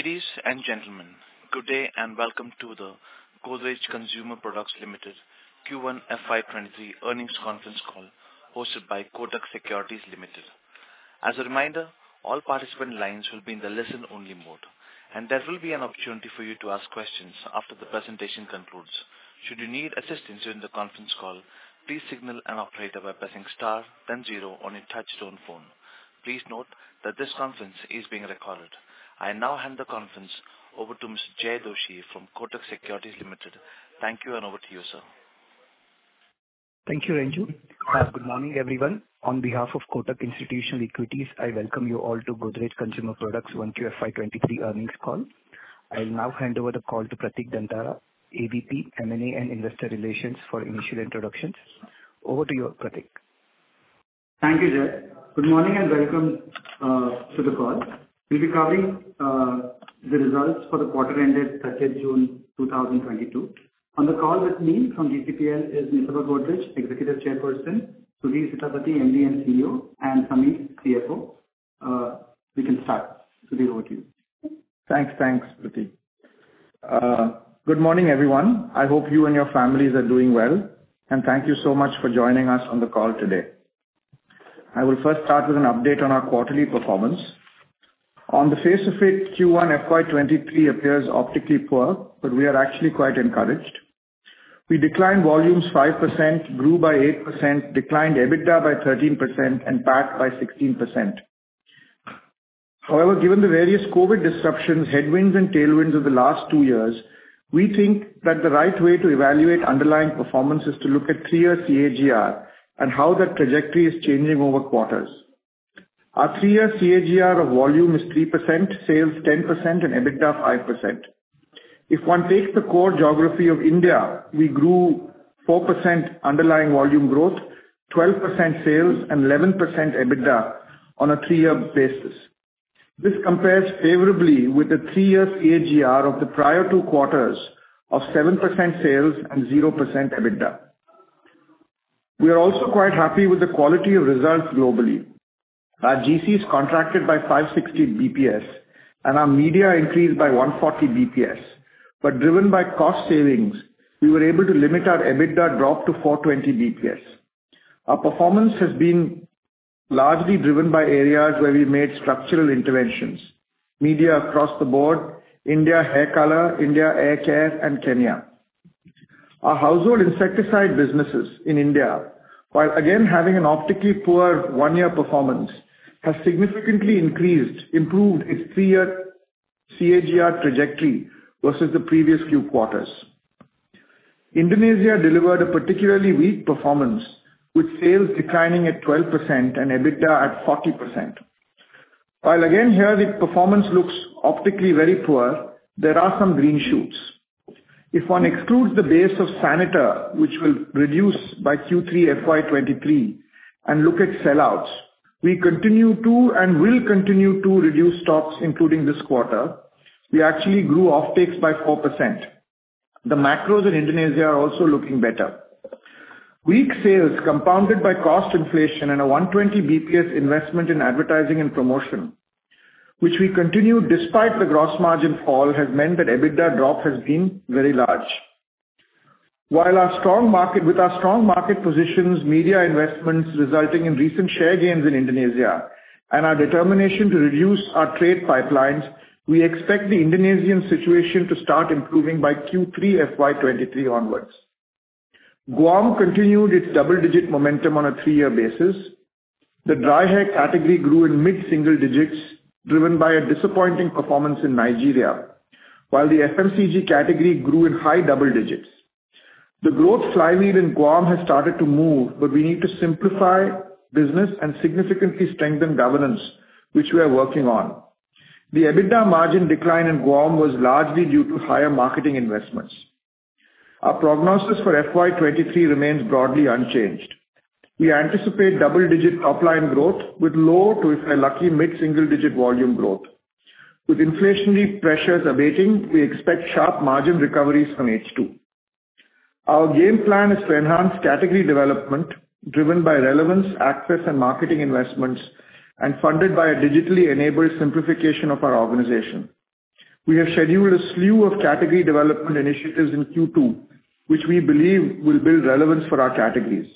Ladies and gentlemen, good day and welcome to the Godrej Consumer Products Limited Q1 FY 2023 earnings conference call hosted by Kotak Securities Limited. As a reminder, all participant lines will be in the listen only mode, and there will be an opportunity for you to ask questions after the presentation concludes. Should you need assistance during the conference call, please signal an operator by pressing star then zero on your touchtone phone. Please note that this conference is being recorded. I now hand the conference over to Mr. Jay Doshi from Kotak Securities Limited. Thank you and over to you, sir. Thank you, Renju. Good morning, everyone. On behalf of Kotak Institutional Equities, I welcome you all to Godrej Consumer Products 1Q FY 2023 earnings call. I'll now hand over the call to Pratik Dantara, AVP, M&A, and Investor Relations for initial introductions. Over to you, Pratik. Thank you, Jay. Good morning and welcome to the call. We'll be covering the results for the quarter ending 30 June 2022. On the call with me from GCPL Aditi Godrej, Executive Chairperson, Sudhir Sitapati, MD and CEO, and Sameer, CFO. We can start. Sudhir, over to you. Thanks. Thanks, Pratik. Good morning, everyone. I hope you and your families are doing well. Thank you so much for joining us on the call today. I will first start with an update on our quarterly performance. On the face of it, Q1 FY 2023 appears optically poor, but we are actually quite encouraged. We declined volumes 5%, grew by 8%, declined EBITDA by 13%, and PAT by 16%. However, given the various COVID disruptions, headwinds and tailwinds of the last two years, we think that the right way to evaluate underlying performance is to look at three-year CAGR and how that trajectory is changing over quarters. Our three-year CAGR of volume is 3%, sales 10% and EBITDA 5%. If one takes the core geography of India, we grew 4% underlying volume growth, 12% sales and 11% EBITDA on a three-year basis. This compares favorably with the three-year CAGR of the prior two quarters of 7% sales and 0% EBITDA. We are also quite happy with the quality of results globally. Our GMs contracted by 560 basis points and our media increased by 140 basis points. Driven by cost savings, we were able to limit our EBITDA drop to 420 basis points. Our performance has been largely driven by areas where we made structural interventions. Media across the board, India hair color, India hair care, and Kenya. Our household insecticide businesses in India, while again having an optically poor one-year performance, has significantly increased, improved its three-year CAGR trajectory versus the previous few quarters. Indonesia delivered a particularly weak performance, with sales declining at 12% and EBITDA at 40%. While again, here the performance looks optically very poor, there are some green shoots. If one excludes the base of Saniter, which will reduce by Q3 FY 2023 and look at sellouts, we will continue to reduce stocks, including this quarter. We actually grew offtakes by 4%. The macros in Indonesia are also looking better. Weak sales compounded by cost inflation and a 120 basis points investment in advertising and promotion, which we continued despite the gross margin fall, has meant that EBITDA drop has been very large. With our strong market positions, media investments resulting in recent share gains in Indonesia and our determination to reduce our trade pipelines, we expect the Indonesian situation to start improving by Q3 FY 2023 onwards. GAUM continued its double-digit momentum on a three-year basis. The dry hair category grew in mid-single digits, driven by a disappointing performance in Nigeria. While the FMCG category grew in high double digits. The growth flywheel in GAUM has started to move, but we need to simplify business and significantly strengthen governance, which we are working on. The EBITDA margin decline in GAUM was largely due to higher marketing investments. Our prognosis for FY 2023 remains broadly unchanged. We anticipate double-digit top line growth with low to, if we're lucky, mid-single digit volume growth. With inflationary pressures abating, we expect sharp margin recoveries from H2. Our game plan is to enhance category development driven by relevance, access and marketing investments, and funded by a digitally enabled simplification of our organization. We have scheduled a slew of category development initiatives in Q2, which we believe will build relevance for our categories.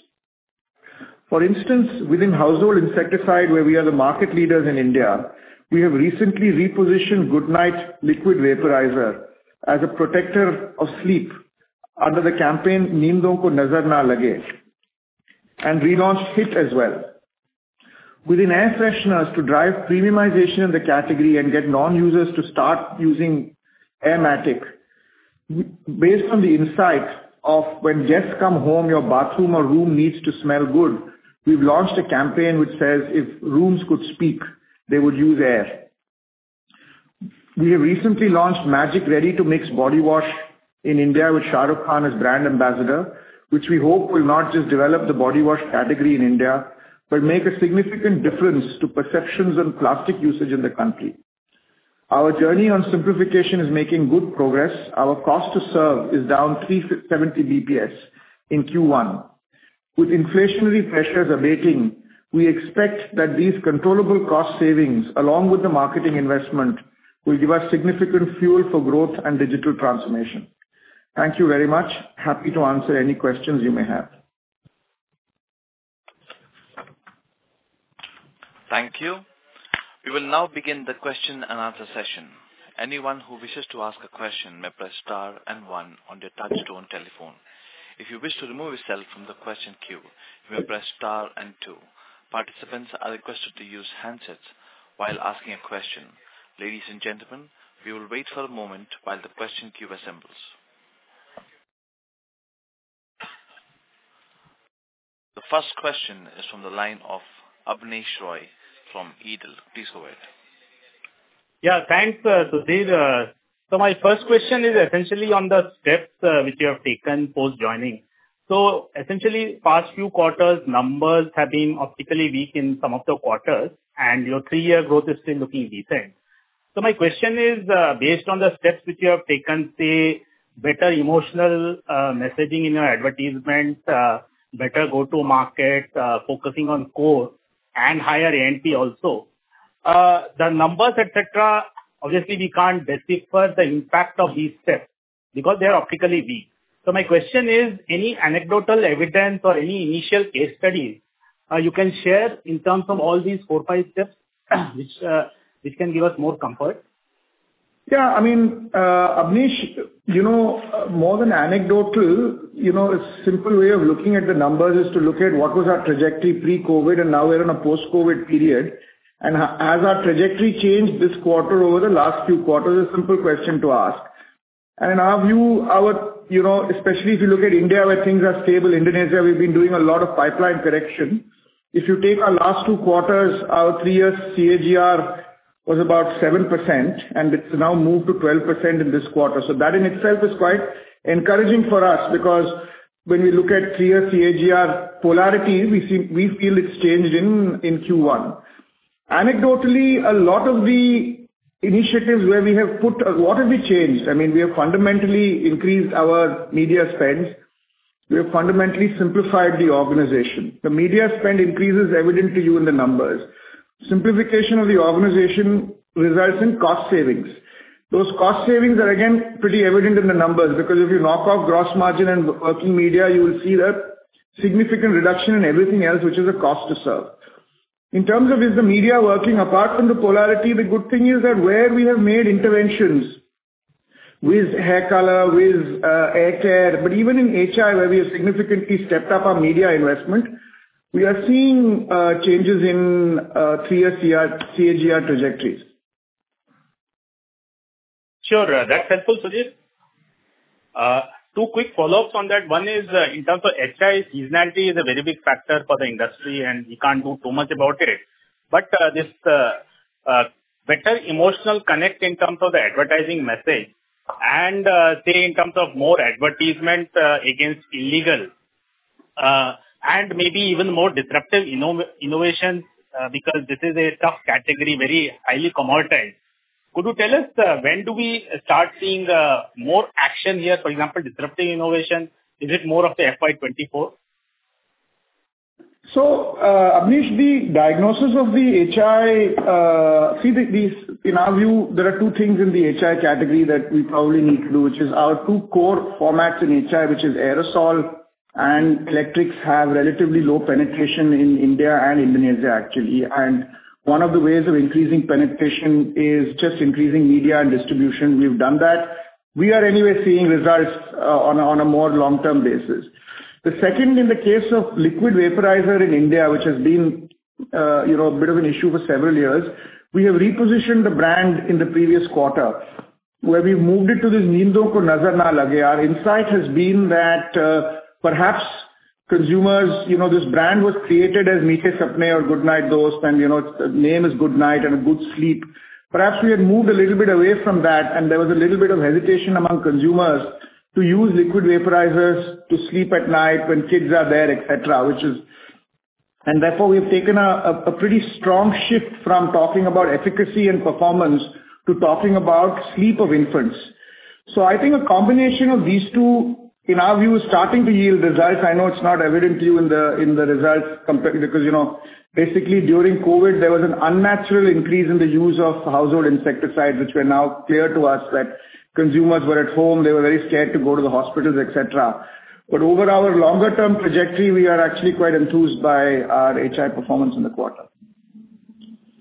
For instance, within household insecticide where we are the market leaders in India, we have recently repositioned GoodKnight Liquid Vaporizer as a protector of sleep under the campaign, "Neendon ko nazar na lage," and relaunched HIT as well. Within air fresheners to drive premiumization in the category and get non-users to start using aer Matic. Based on the insights of when guests come home, your bathroom or room needs to smell good, we've launched a campaign which says, "If rooms could speak, they would use aer." We have recently launched Magic Ready-to-Mix Body Wash in India with Shah Rukh Khan as brand ambassador, which we hope will not just develop the body wash category in India, but make a significant difference to perceptions on plastic usage in the country. Our journey on simplification is making good progress. Our cost to serve is down 370 basis points in Q1. With inflationary pressures abating, we expect that these controllable cost savings, along with the marketing investment, will give us significant fuel for growth and digital transformation. Thank you very much. Happy to answer any questions you may have. Thank you. We will now begin the question and answer session. Anyone who wishes to ask a question may press star and one on your touchtone telephone. If you wish to remove yourself from the question queue, you may press star and two. Participants are requested to use handsets while asking a question. Ladies and gentlemen, we will wait for a moment while the question queue assembles. The first question is from the line of Abneesh Roy from Edel. Please go ahead. Yeah, thanks, Sudhir. My first question is essentially on the steps which you have taken post joining. Essentially past few quarters numbers have been optically weak in some of the quarters and your three-year growth is still looking decent. My question is, based on the steps which you have taken, say, better emotional messaging in your advertisement, better go-to market, focusing on core and higher A&P also. The numbers, et cetera, obviously we can't decipher the impact of these steps because they are optically weak. My question is, any anecdotal evidence or any initial case studies you can share in terms of all these four, five steps which can give us more comfort? Yeah, I mean, Abnesh, you know, more than anecdotal, you know, a simple way of looking at the numbers is to look at what was our trajectory pre-COVID, and now we're in a post-COVID period. Has our trajectory changed this quarter over the last few quarters? A simple question to ask. In our view, our. You know, especially if you look at India where things are stable, Indonesia, we've been doing a lot of pipeline correction. If you take our last two quarters, our three-year CAGR was about 7%, and it's now moved to 12% in this quarter. That in itself is quite encouraging for us because when we look at three-year CAGR polarity, we see we feel it's changed in Q1. Anecdotally, a lot of the initiatives where we have put a lot of the change, I mean, we have fundamentally increased our media spends. We have fundamentally simplified the organization. The media spend increase is evident to you in the numbers. Simplification of the organization results in cost savings. Those cost savings are again pretty evident in the numbers because if you knock off gross margin and working media you will see that significant reduction in everything else which is a cost to serve. In terms of is the media working, apart from the polarity, the good thing is that where we have made interventions with hair color, with hair care, but even in HI where we have significantly stepped up our media investment, we are seeing changes in three-year CAGR trajectories. Sure. That's helpful, Sudhir. Two quick follow-ups on that. One is, in terms of HIs, seasonality is a very big factor for the industry, and we can't do too much about it. This better emotional connect in terms of the advertising message and, say in terms of more advertisement against illegal, and maybe even more disruptive innovation, because this is a tough category, very highly commoditized. Could you tell us, when do we start seeing more action here, for example, disrupting innovation? Is it more of the FY 2024? Abneesh, the diagnosis of the HI. In our view, there are two things in the HI category that we probably need to do, which is our two core formats in HI, which is aerosol and electrics, have relatively low penetration in India and Indonesia actually. One of the ways of increasing penetration is just increasing media and distribution. We've done that. We are anyway seeing results on a more long term basis. The second, in the case of liquid vaporizer in India, which has been, you know, a bit of an issue for several years, we have repositioned the brand in the previous quarter, where we've moved it to this. Our insight has been that, perhaps consumers, you know, this brand was created as you know, name is Good Knight and a good sleep. Perhaps we had moved a little bit away from that, and there was a little bit of hesitation among consumers to use liquid vaporizers to sleep at night when kids are there, et cetera, which is. Therefore, we've taken a pretty strong shift from talking about efficacy and performance to talking about sleep of infants. I think a combination of these two, in our view, is starting to yield results. I know it's not evident to you in the, in the results compared. You know, basically during COVID, there was an unnatural increase in the use of household insecticides which were now clear to us that consumers were at home, they were very scared to go to the hospitals, et cetera. Over our longer-term trajectory, we are actually quite enthused by our HI performance in the quarter.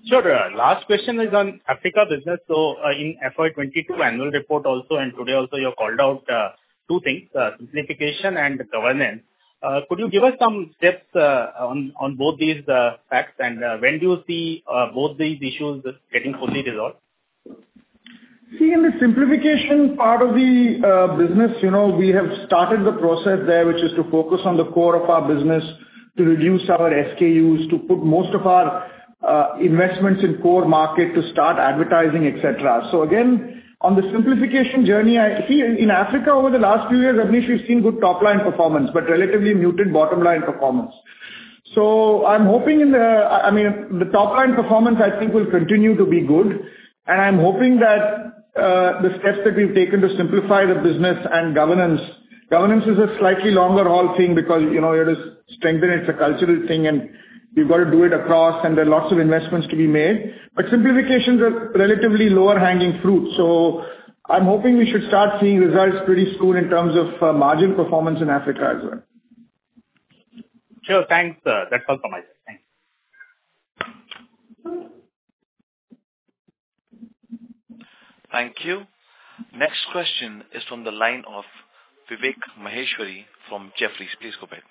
Sure. Last question is on Africa business. In FY 2022 annual report also and today also you have called out two things, simplification and governance. Could you give us some steps on both these facts? When do you see both these issues getting fully resolved? See, in the simplification part of the business, you know, we have started the process there, which is to focus on the core of our business to reduce our SKUs to put most of our investments in core market to start advertising, et cetera. Again, on the simplification journey, see, in Africa over the last few years, Abneesh, we've seen good top-line performance, but relatively muted bottom-line performance. I'm hoping that the top line performance I think will continue to be good, and I'm hoping that the steps that we've taken to simplify the business and governance. Governance is a slightly longer haul thing because, you know, it is strengthening, it's a cultural thing, and you've got to do it across, and there are lots of investments to be made. Simplifications are relatively lower hanging fruit. I'm hoping we should start seeing results pretty soon in terms of margin performance in Africa as well. Sure. Thanks, sir. That's all from my side. Thanks. Thank you. Next question is from the line of Vivek Maheshwari from Jefferies. Please go ahead.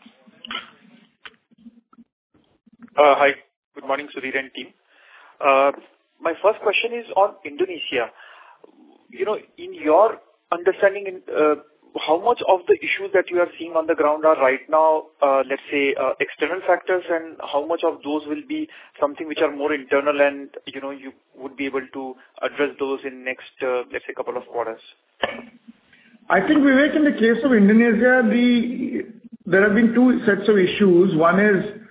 Hi. Good morning, Sudhir and team. My first question is on Indonesia. You know, in your understanding in, how much of the issues that you are seeing on the ground are right now, let's say, external factors? How much of those will be something which are more internal and, you know, you would be able to address those in next, let's say couple of quarters? I think, Vivek, in the case of Indonesia, there have been two sets of issues. One is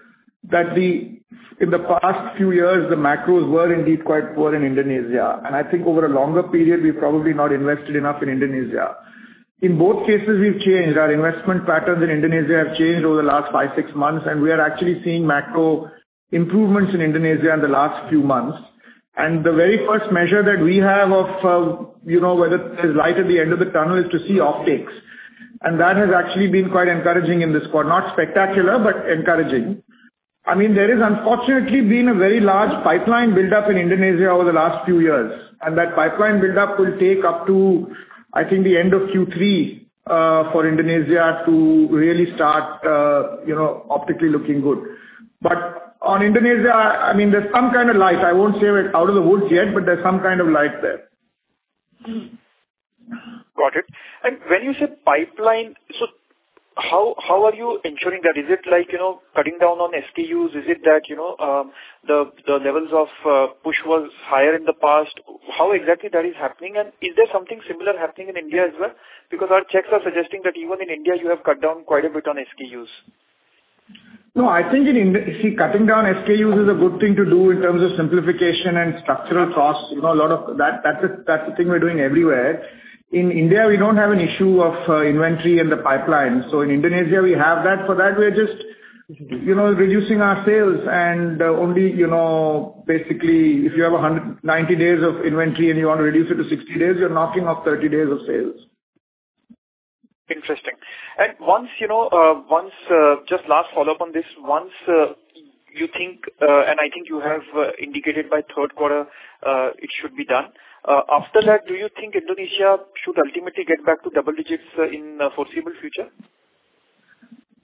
that in the past few years, the macros were indeed quite poor in Indonesia, and I think over a longer period, we've probably not invested enough in Indonesia. In both cases, we've changed. Our investment patterns in Indonesia have changed over the last five, six months, and we are actually seeing macro improvements in Indonesia in the last few months. The very first measure that we have of, you know, whether there's light at the end of the tunnel is to see optics, and that has actually been quite encouraging in this quarter. Not spectacular, but encouraging. I mean, there has unfortunately been a very large pipeline buildup in Indonesia over the last few years, and that pipeline buildup will take up to, I think, the end of Q3, for Indonesia to really start, you know, optically looking good. On Indonesia, I mean, there's some kind of light. I won't say we're out of the woods yet, but there's some kind of light there. Got it. When you say pipeline, so how are you ensuring that? Is it like, you know, cutting down on SKUs? Is it that, you know, the levels of push was higher in the past? How exactly that is happening? Is there something similar happening in India as well? Because our checks are suggesting that even in India you have cut down quite a bit on SKUs. No, I think. See, cutting down SKUs is a good thing to do in terms of simplification and structural costs. You know, a lot of that's the thing we're doing everywhere. In India, we don't have an issue of inventory in the pipeline. So in Indonesia we have that. For that, we're just, you know, reducing our sales and only, you know, basically if you have 190 days of inventory and you want to reduce it to 60 days, you're knocking off 30 days of sales. Interesting. Once you know, just last follow-up on this. Once you think, and I think you have indicated by third quarter, it should be done. After that, do you think Indonesia should ultimately get back to double digits in foreseeable future?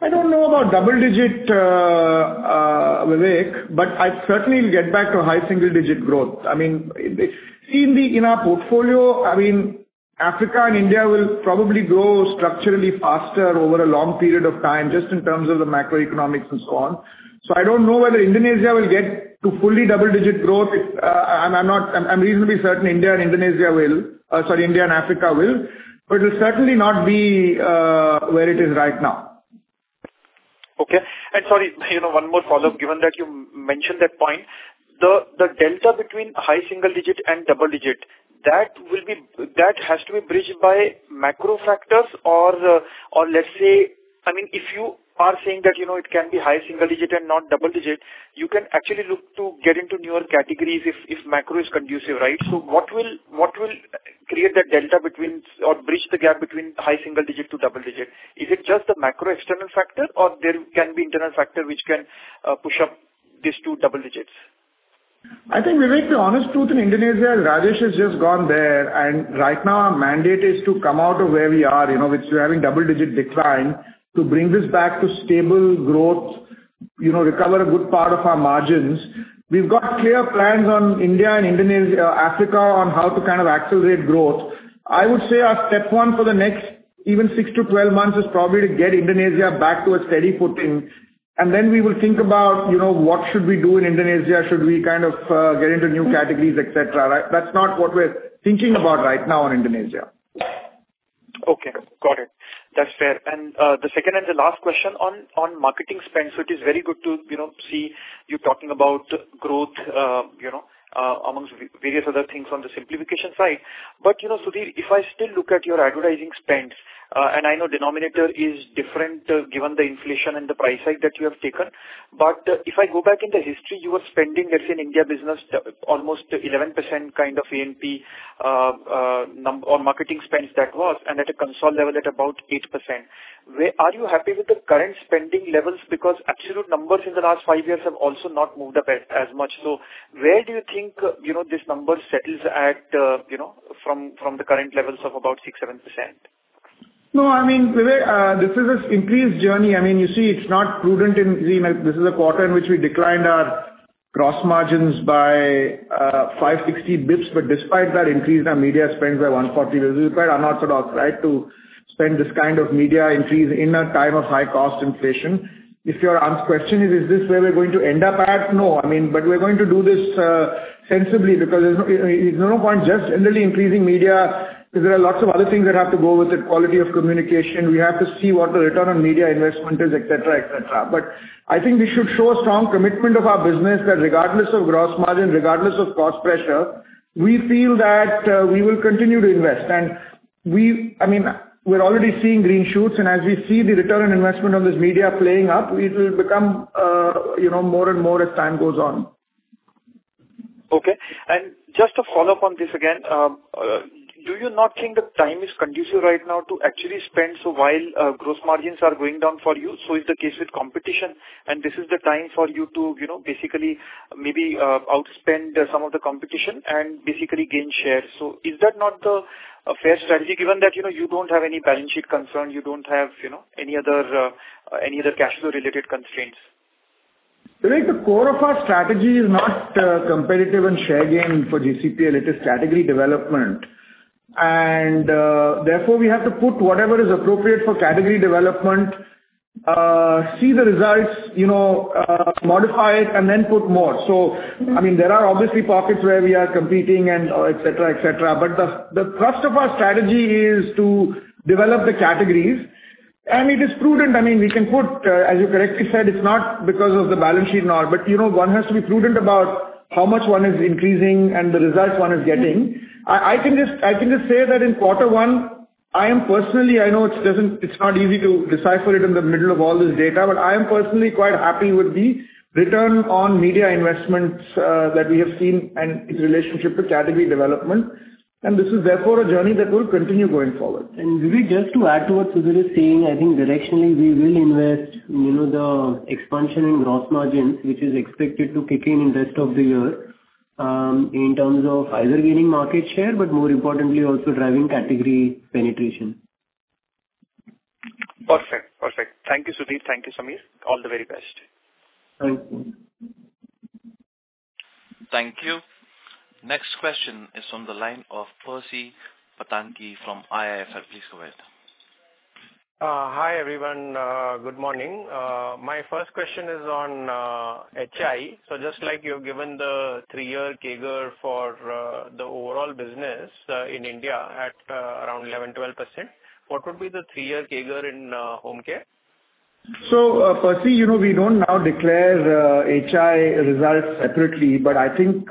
I don't know about double digits, Vivek, but I certainly will get back to high single digit growth. I mean, our portfolio, I mean, Africa and India will probably grow structurally faster over a long period of time just in terms of the macroeconomics and so on. I don't know whether Indonesia will get to fully double-digit growth. I'm reasonably certain India and Africa will, but it'll certainly not be where it is right now. Okay. Sorry, you know, one more follow-up, given that you mentioned that point. The delta between high single digit and double digit, that will be. That has to be bridged by macro factors or let's say, I mean, if you are saying that, you know, it can be high single digit and not double digit, you can actually look to get into newer categories if macro is conducive, right? So what will create that delta between or bridge the gap between high single digit to double digit? Is it just the macro external factor or there can be internal factor which can push up this to double digits? I think, Vivek, the honest truth in Indonesia, Rajesh has just gone there and right now our mandate is to come out of where we are, you know, which we're having double-digit decline, to bring this back to stable growth, you know, recover a good part of our margins. We've got clear plans on India and Indonesia, Africa on how to kind of accelerate growth. I would say our step one for the next even six to 12 months is probably to get Indonesia back to a steady footing, and then we will think about, you know, what should we do in Indonesia? Should we kind of get into new categories, et cetera, right? That's not what we're thinking about right now in Indonesia. Okay, got it. That's fair. The second and the last question on marketing spend. It is very good to, you know, see you talking about growth, you know, amongst various other things on the simplification side. Sudhir, if I still look at your advertising spend, and I know denominator is different given the inflation and the price hike that you have taken, but if I go back in the history, you were spending, let's say in India business almost 11% kind of A&P, or marketing spends that was and at a consolidated level at about 8%. Are you happy with the current spending levels? Because absolute numbers in the last five years have also not moved up as much. Where do you think, you know, this number settles at, you know, from the current levels of about 6%-7%? No, I mean, Vivek, this is an intense journey. I mean, you see, it's not prudent. This is a quarter in which we declined our gross margins by 560 basis points, but despite that increased our media spends by 140 basis points. This is quite unorthodox, right, to spend this kind of media increase in a time of high cost inflation. If you're asking, is this where we're going to end up? No, I mean, we're going to do this sensibly because there's no point just generally increasing media because there are lots of other things that have to go with it, quality of communication. We have to see what the return on media investment is, et cetera, et cetera. I think we should show strong commitment of our business that regardless of gross margin, regardless of cost pressure, we feel that we will continue to invest. I mean, we're already seeing green shoots, and as we see the return on investment on this media playing up, it will become, you know, more and more as time goes on. Okay. Just to follow up on this again, do you not think the time is conducive right now to actually spend so while gross margins are going down for you, so is the case with competition, and this is the time for you to, you know, basically maybe outspend some of the competition and basically gain share. Is that not the fair strategy given that, you know, you don't have any balance sheet concern, you don't have, you know, any other cash flow related constraints? The core of our strategy is not competitive and share gain for GCPL, it is category development. Therefore, we have to put whatever is appropriate for category development, see the results, you know, modify it and then put more. I mean, there are obviously pockets where we are competing and etc., etc. The thrust of our strategy is to develop the categories, and it is prudent. I mean, we can put, as you correctly said, it's not because of the balance sheet nor but, you know, one has to be prudent about how much one is increasing and the results one is getting. I can just say that in quarter one, I am personally, I know it's not easy to decipher it in the middle of all this data, but I am personally quite happy with the return on media investments that we have seen and its relationship with category development. This is therefore a journey that will continue going forward. Maybe just to add to what Sudhir is saying, I think directionally we will invest, you know, the expansion in gross margins, which is expected to kick in in rest of the year, in terms of either gaining market share, but more importantly also driving category penetration. Perfect. Thank you, Sudhir. Thank you, Samir. All the very best. Thank you. Thank you. Next question is from the line of Percy Panthaki from IIFL. Please go ahead. Hi, everyone. Good morning. My first question is on HI. Just like you've given the three-year CAGR for the overall business in India at around 11%-12%, what would be the three-year CAGR in home care? Percy, you know, we don't normally declare HI results separately, but I think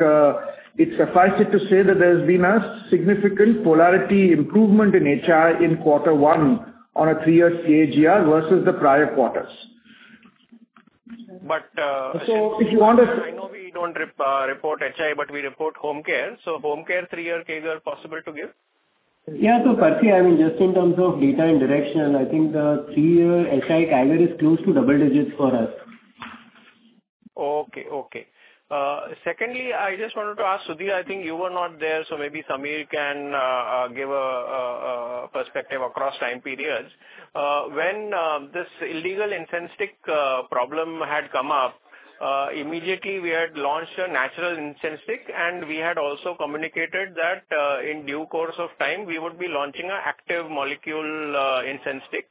it suffices to say that there's been a significant profitability improvement in HI in quarter one on a three-year CAGR versus the prior quarters. But, uh- So if you want us- I know we don't report HI, but we report home care, so home care three-year CAGR possible to give? Yeah. Percy, I mean, just in terms of data and direction, I think the three-year HI CAGR is close to double digits for us. Secondly, I just wanted to ask Sudhir. I think you were not there, so maybe Samir can give a perspective across time periods. When this illegal incense stick problem had come up, immediately we had launched a natural incense stick, and we had also communicated that in due course of time we would be launching an active molecule incense stick.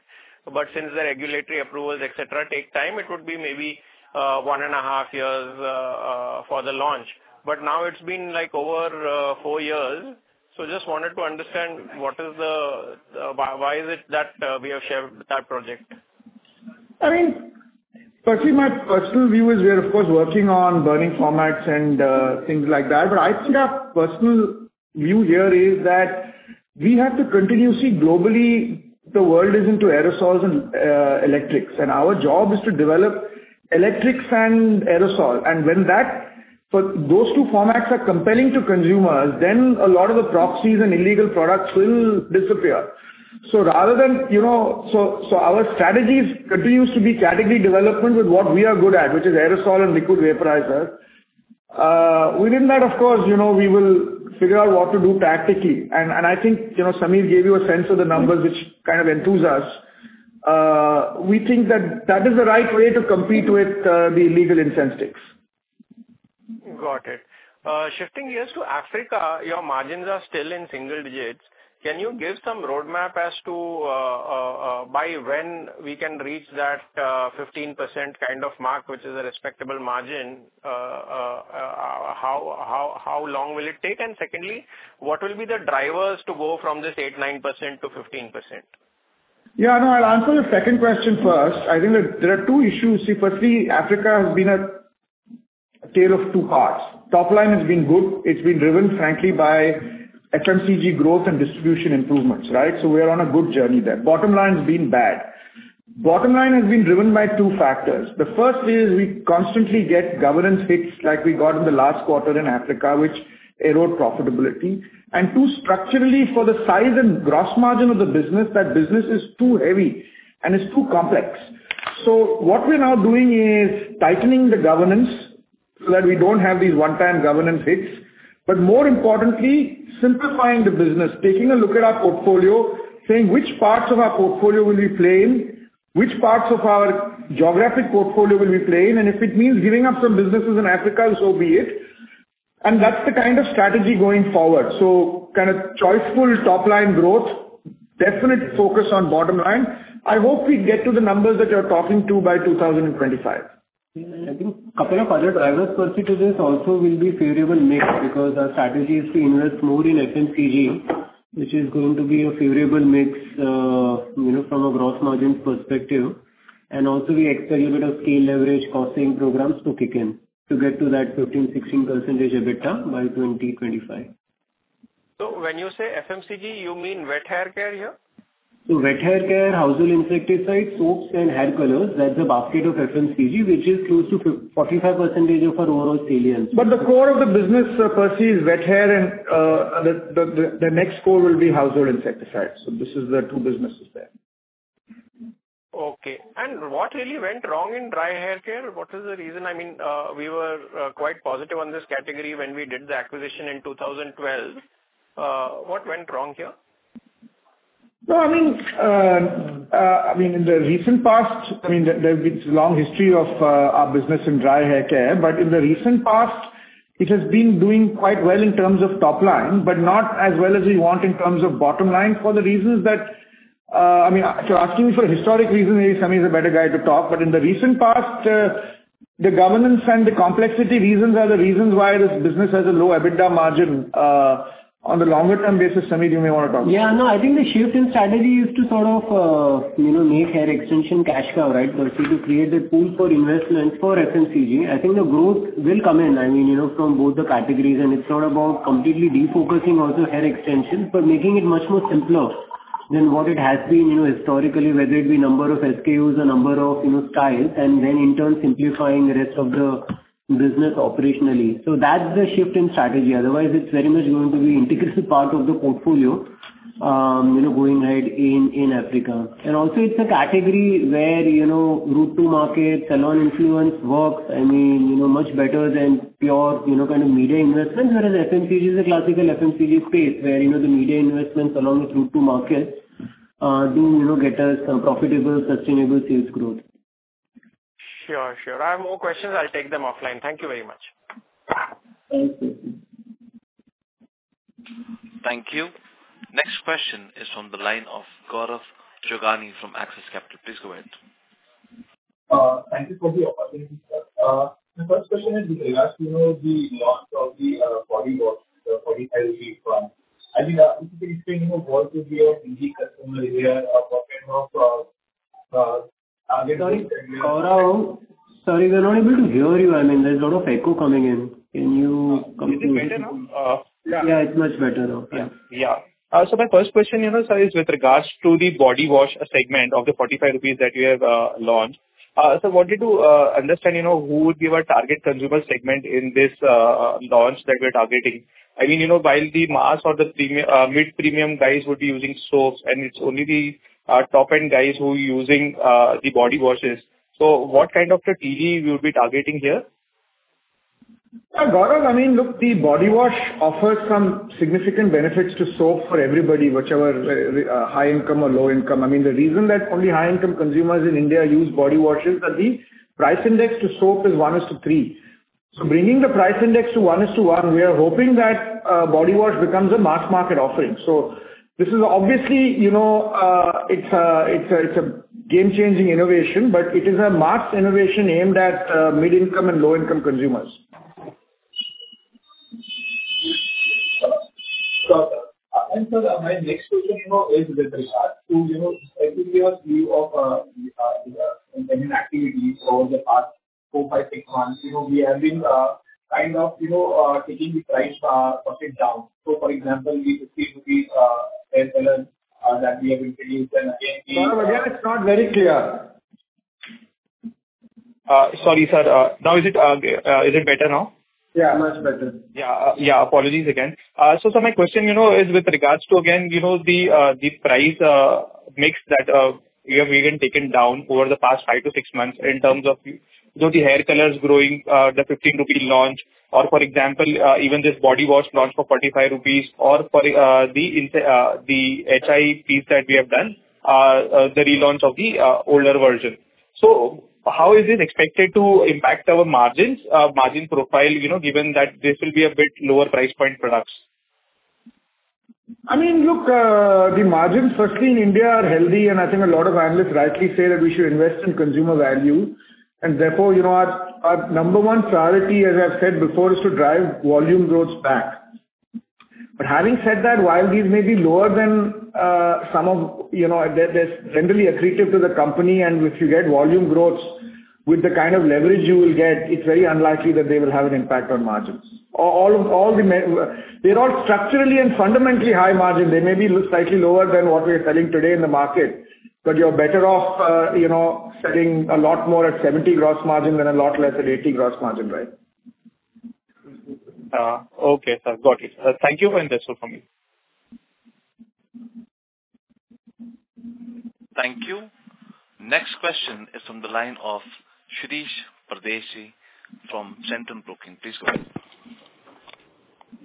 Since the regulatory approvals, etc., take time, it would be maybe 1.5 years for the launch. Now it's been like over four years. Just wanted to understand why is it that we have shelved that project? I mean, Percy, my personal view is we are of course working on burning formats and things like that. I think our personal view here is that we have to continuously. Globally, the world is into aerosols and electrics, and our job is to develop electrics and aerosol. When those two formats are compelling to consumers, then a lot of the proxies and illegal products will disappear. Rather than, you know. Our strategy continues to be category development with what we are good at, which is aerosol and liquid vaporizer. Within that, of course, you know, we will figure out what to do tactically. I think, you know, Samir gave you a sense of the numbers which kind of enthuse us. We think that that is the right way to compete with the illegal incense sticks. Got it. Shifting gears to Africa, your margins are still in single digits. Can you give some roadmap as to by when we can reach that 15% kind of mark, which is a respectable margin? How long will it take? Secondly, what will be the drivers to go from this 8%-9% to 15%? Yeah. No, I'll answer the second question first. I think that there are two issues. See, firstly, Africa has been a tale of two parts. Top line has been good. It's been driven frankly by FMCG growth and distribution improvements, right? We are on a good journey there. Bottom line has been bad. Bottom line has been driven by two factors. The first is we constantly get governance hits like we got in the last quarter in Africa, which erode profitability. Two, structurally for the size and gross margin of the business, that business is too heavy and it's too complex. What we're now doing is tightening the governance so that we don't have these one-time governance hits, but more importantly, simplifying the business, taking a look at our portfolio, saying which parts of our portfolio will we play in, which parts of our geographic portfolio will we play in, and if it means giving up some businesses in Africa, so be it. That's the kind of strategy going forward. Kind of choiceful top line growth, definite focus on bottom line. I hope we get to the numbers that you're talking to by 2025. I think a pair of other drivers, Percy, to this also will be favorable mix because our strategy is to invest more in FMCG, which is going to be a favorable mix, from a gross margin perspective. Also we expect a bit of scale leverage costing programs to kick in to get to that 15-16% EBITDA by 2025. When you say FMCG, you mean wet hair care here? Wet hair care, household insecticides, soaps and hair colors. That's a basket of FMCG, which is close to 45% of our overall sales. The core of the business, Percy, is wet hair and the next core will be household insecticides. This is the two businesses there. Okay. What really went wrong in dry hair care? What is the reason? I mean, we were quite positive on this category when we did the acquisition in 2012. What went wrong here? No, I mean, in the recent past, I mean, there's been long history of our business in dry hair care, but in the recent past it has been doing quite well in terms of top line, but not as well as we want in terms of bottom line for the reasons that, I mean, if you're asking me for historic reasons, maybe Sameer is a better guy to talk. In the recent past, the governance and the complexity reasons are the reasons why this business has a low EBITDA margin, on the longer term basis. Sameer, you may wanna talk. Yeah, no, I think the shift in strategy is to sort of, you know, make hair extension cash cow, right, Percy Panthaki? To create a pool for investments for FMCG. I think the growth will come in, I mean, you know, from both the categories, and it's not about completely defocusing also hair extension, but making it much more simpler than what it has been, you know, historically, whether it be number of SKUs or number of, you know, styles, and then in turn simplifying the rest of the business operationally. So that's the shift in strategy. Otherwise, it's very much going to be integrated part of the portfolio, you know, going ahead in Africa. And also it's a category where, you know, route to market, salon influence works, I mean, you know, much better than pure, you know, kind of media investments. Whereas FMCG is a classical FMCG space where, you know, the media investments along with route to market, do you know, get us a profitable, sustainable sales growth. Sure, sure. I have more questions. I'll take them offline. Thank you very much. Thank you. Next question is from the line of Gaurav Jogani from Axis Capital. Please go ahead. Thank you for the opportunity, sir. My first question is with regards to the launch of the body wash, INR 45 one. I think if you could explain who all could be a key customer here or what kind of target- Sorry, Gaurav. Sorry, we're not able to hear you. I mean, there's a lot of echo coming in. Can you come close? Is it better now? Yeah, it's much better. Okay. Yeah. So my first question, you know, sir, is with regards to the body wash segment of the 45 rupees that you have launched. So wanted to understand, you know, who would be our target consumer segment in this launch that we're targeting. I mean, you know, while the mass or the mid-premium guys would be using soaps, and it's only the top-end guys who are using the body washes. What kind of a TG we would be targeting here? Yeah, Gaurav, I mean, look, the body wash offers some significant benefits to soap for everybody, whichever, high income or low income. I mean, the reason that only high income consumers in India use body washes are the price index to soap is one to three. Bringing the price index to one to one, we are hoping that body wash becomes a mass market offering. This is obviously, it's a game changing innovation, but it is a mass innovation aimed at mid-income and low-income consumers. Sure, sir. Sir, my next question, you know, is with regards to, you know, effectively our view of the activities over the past four, five, six months. You know, we have been kind of, you know, taking the price per se down. For example, the INR 15 hair colors that we have introduced and again the Gaurav, again, it's not very clear. Sorry, sir. Now, is it better now? Yeah, much better. Apologies again. My question, you know, is with regards to again, you know, the price mix that we have even taken down over the past five-six months in terms of the hair colors growing, the 15 rupee launch or for example, even this body wash launch for 45 rupees or the HI piece that we have done, the relaunch of the older version. How is it expected to impact our margins, margin profile, you know, given that this will be a bit lower price point products? I mean, look, the margins firstly in India are healthy, and I think a lot of analysts rightly say that we should invest in consumer value and therefore, you know, our number one priority, as I've said before, is to drive volume growth back. Having said that, while these may be lower than, some of, you know, they're generally accretive to the company, and if you get volume growth with the kind of leverage you will get, it's very unlikely that they will have an impact on margins. They're all structurally and fundamentally high margin. They may be slightly lower than what we are selling today in the market, but you're better off, you know, selling a lot more at 70% gross margin than a lot less at 80% gross margin, right? Okay. Sir, got it. Thank you. That's all from me. Thank you. Next question is from the line of Shirish Pardeshi from Centrum Broking. Please go ahead.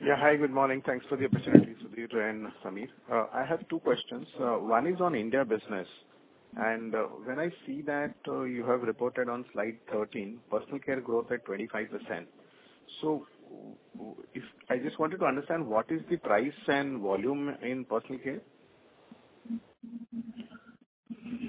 Yeah. Hi. Good morning. Thanks for the opportunity, Sudhir and Sameer. I have two questions. One is on India business, and when I see that you have reported on slide 13 personal care growth at 25%. If I just wanted to understand what is the price and volume in personal care?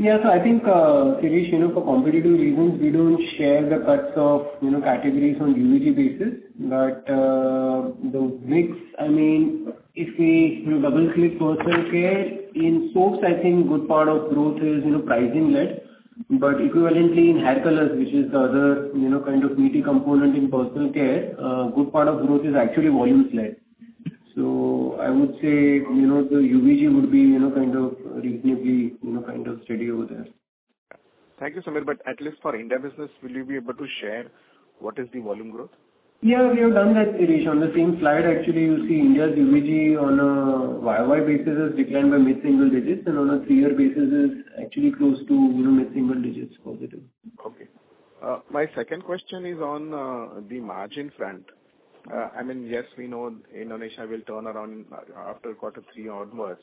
I think, Shirish, you know, for competitive reasons, we don't share the cuts of, you know, categories on unit basis. But the mix, I mean, if we, you know, double click personal care in soaps, I think good part of growth is, you know, pricing led. Equivalently in hair colors, which is the other, you know, kind of meaty component in personal care, a good part of growth is actually volume-led. I would say, you know, the UVG would be, you know, kind of reasonably, you know, kind of steady over there. Thank you, Sameer. At least for India business, will you be able to share what is the volume growth? Yeah, we have done that, Shirish. On the same slide, actually, you see India's UVG on a YOY basis has declined by mid-single digits and on a three-year basis is actually close to, you know, mid-single digits positive. Okay. My second question is on the margin front. I mean, yes, we know Indonesia will turn around after quarter three onwards,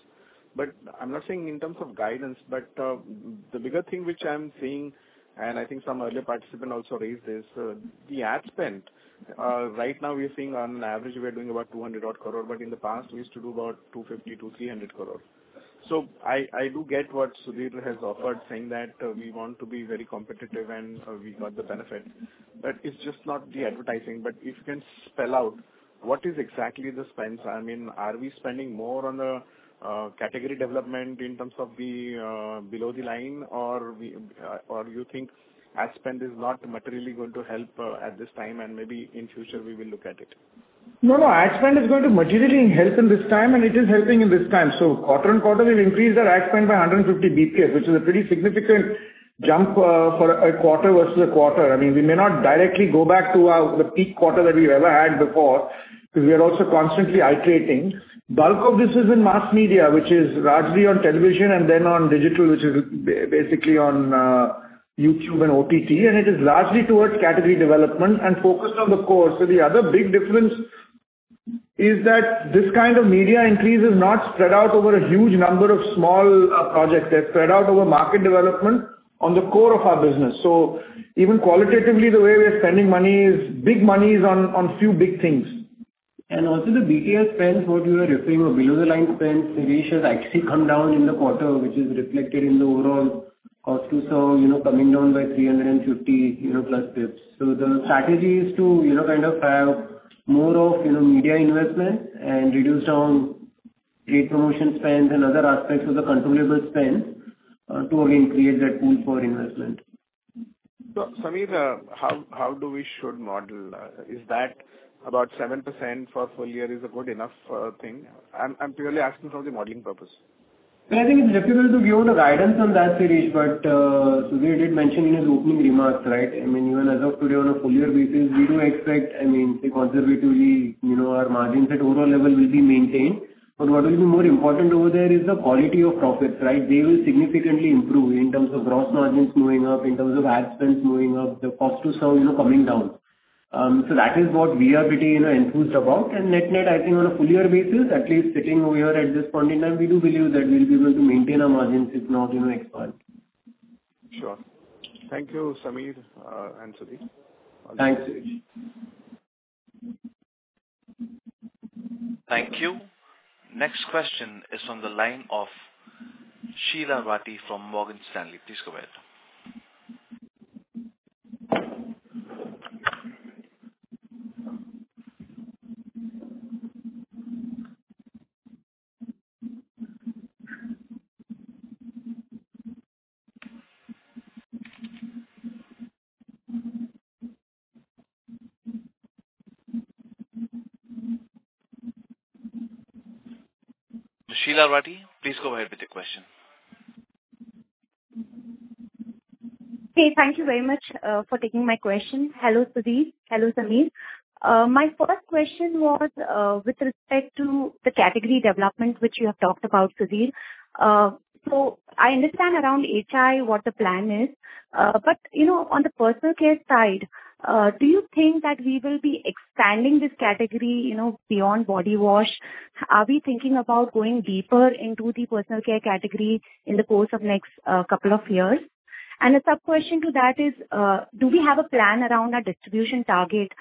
but I'm not saying in terms of guidance, but the bigger thing which I'm seeing, and I think some other participant also raised this, the ad spend. Right now we are seeing on average, we are doing about 200 crore, but in the past we used to do about 250 crore-300 crore. So I do get what Sudhir has offered, saying that we want to be very competitive and we got the benefit, but it's just not the advertising. But if you can spell out what is exactly the spends? I mean, are we spending more on category development in terms of the below the line? You think ad spend is not materially going to help at this time, and maybe in future we will look at it? No, no. Ad spend is going to materially help in this time, and it is helping in this time. Quarter-on-quarter, we've increased our ad spend by 150 basis points, which is a pretty significant jump for a quarter versus a quarter. I mean, we may not directly go back to our, the peak quarter that we've ever had before because we are also constantly iterating. Bulk of this is in mass media, which is largely on television and then on digital, which is basically on YouTube and OTT, and it is largely towards category development and focused on the core. The other big difference is that this kind of media increase is not spread out over a huge number of small projects. They're spread out over market development on the core of our business. Even qualitatively, the way we are spending money is big monies on few big things. Also the BPS spends what you are referring of below the line spends, Shirish Pardeshi, has actually come down in the quarter, which is reflected in the overall cost to serve, you know, coming down by 350, you know, plus BPS. The strategy is to, you know, kind of have more of, you know, media investment and reduce down trade promotion spends and other aspects of the controllable spend, to again create that pool for investment. Sameer, how do we should model? Is that about 7% for full year a good enough thing? I'm purely asking from the modeling purpose. Well, I think it's difficult to give out a guidance on that, Shirish Pardeshi. Sudhir Sitapati did mention in his opening remarks, right? I mean, even as of today, on a full year basis, we do expect, I mean, say conservatively, you know, our margins at overall level will be maintained. What will be more important over there is the quality of profits, right? They will significantly improve in terms of gross margins going up, in terms of ad spends going up, the cost to serve, you know, coming down. That is what we are pretty, you know, enthused about. Net-net, I think on a full year basis, at least sitting over here at this point in time, we do believe that we'll be able to maintain our margins, if not, you know, expand. Sure. Thank you, Sameer, and Sudhir. Thanks, Suresh. Thank you. Next question is on the line of Sheela Rathi from Morgan Stanley. Please go ahead. Sheela Rathi, please go ahead with your question. Okay, thank you very much for taking my question. Hello, Sudhir. Hello, Sameer. My first question was with respect to the category development, which you have talked about, Sudhir. I understand around HI what the plan is. You know, on the personal care side, do you think that we will be expanding this category, you know, beyond body wash? Are we thinking about going deeper into the personal care category in the course of next couple of years? A sub-question to that is, do we have a plan around our distribution target,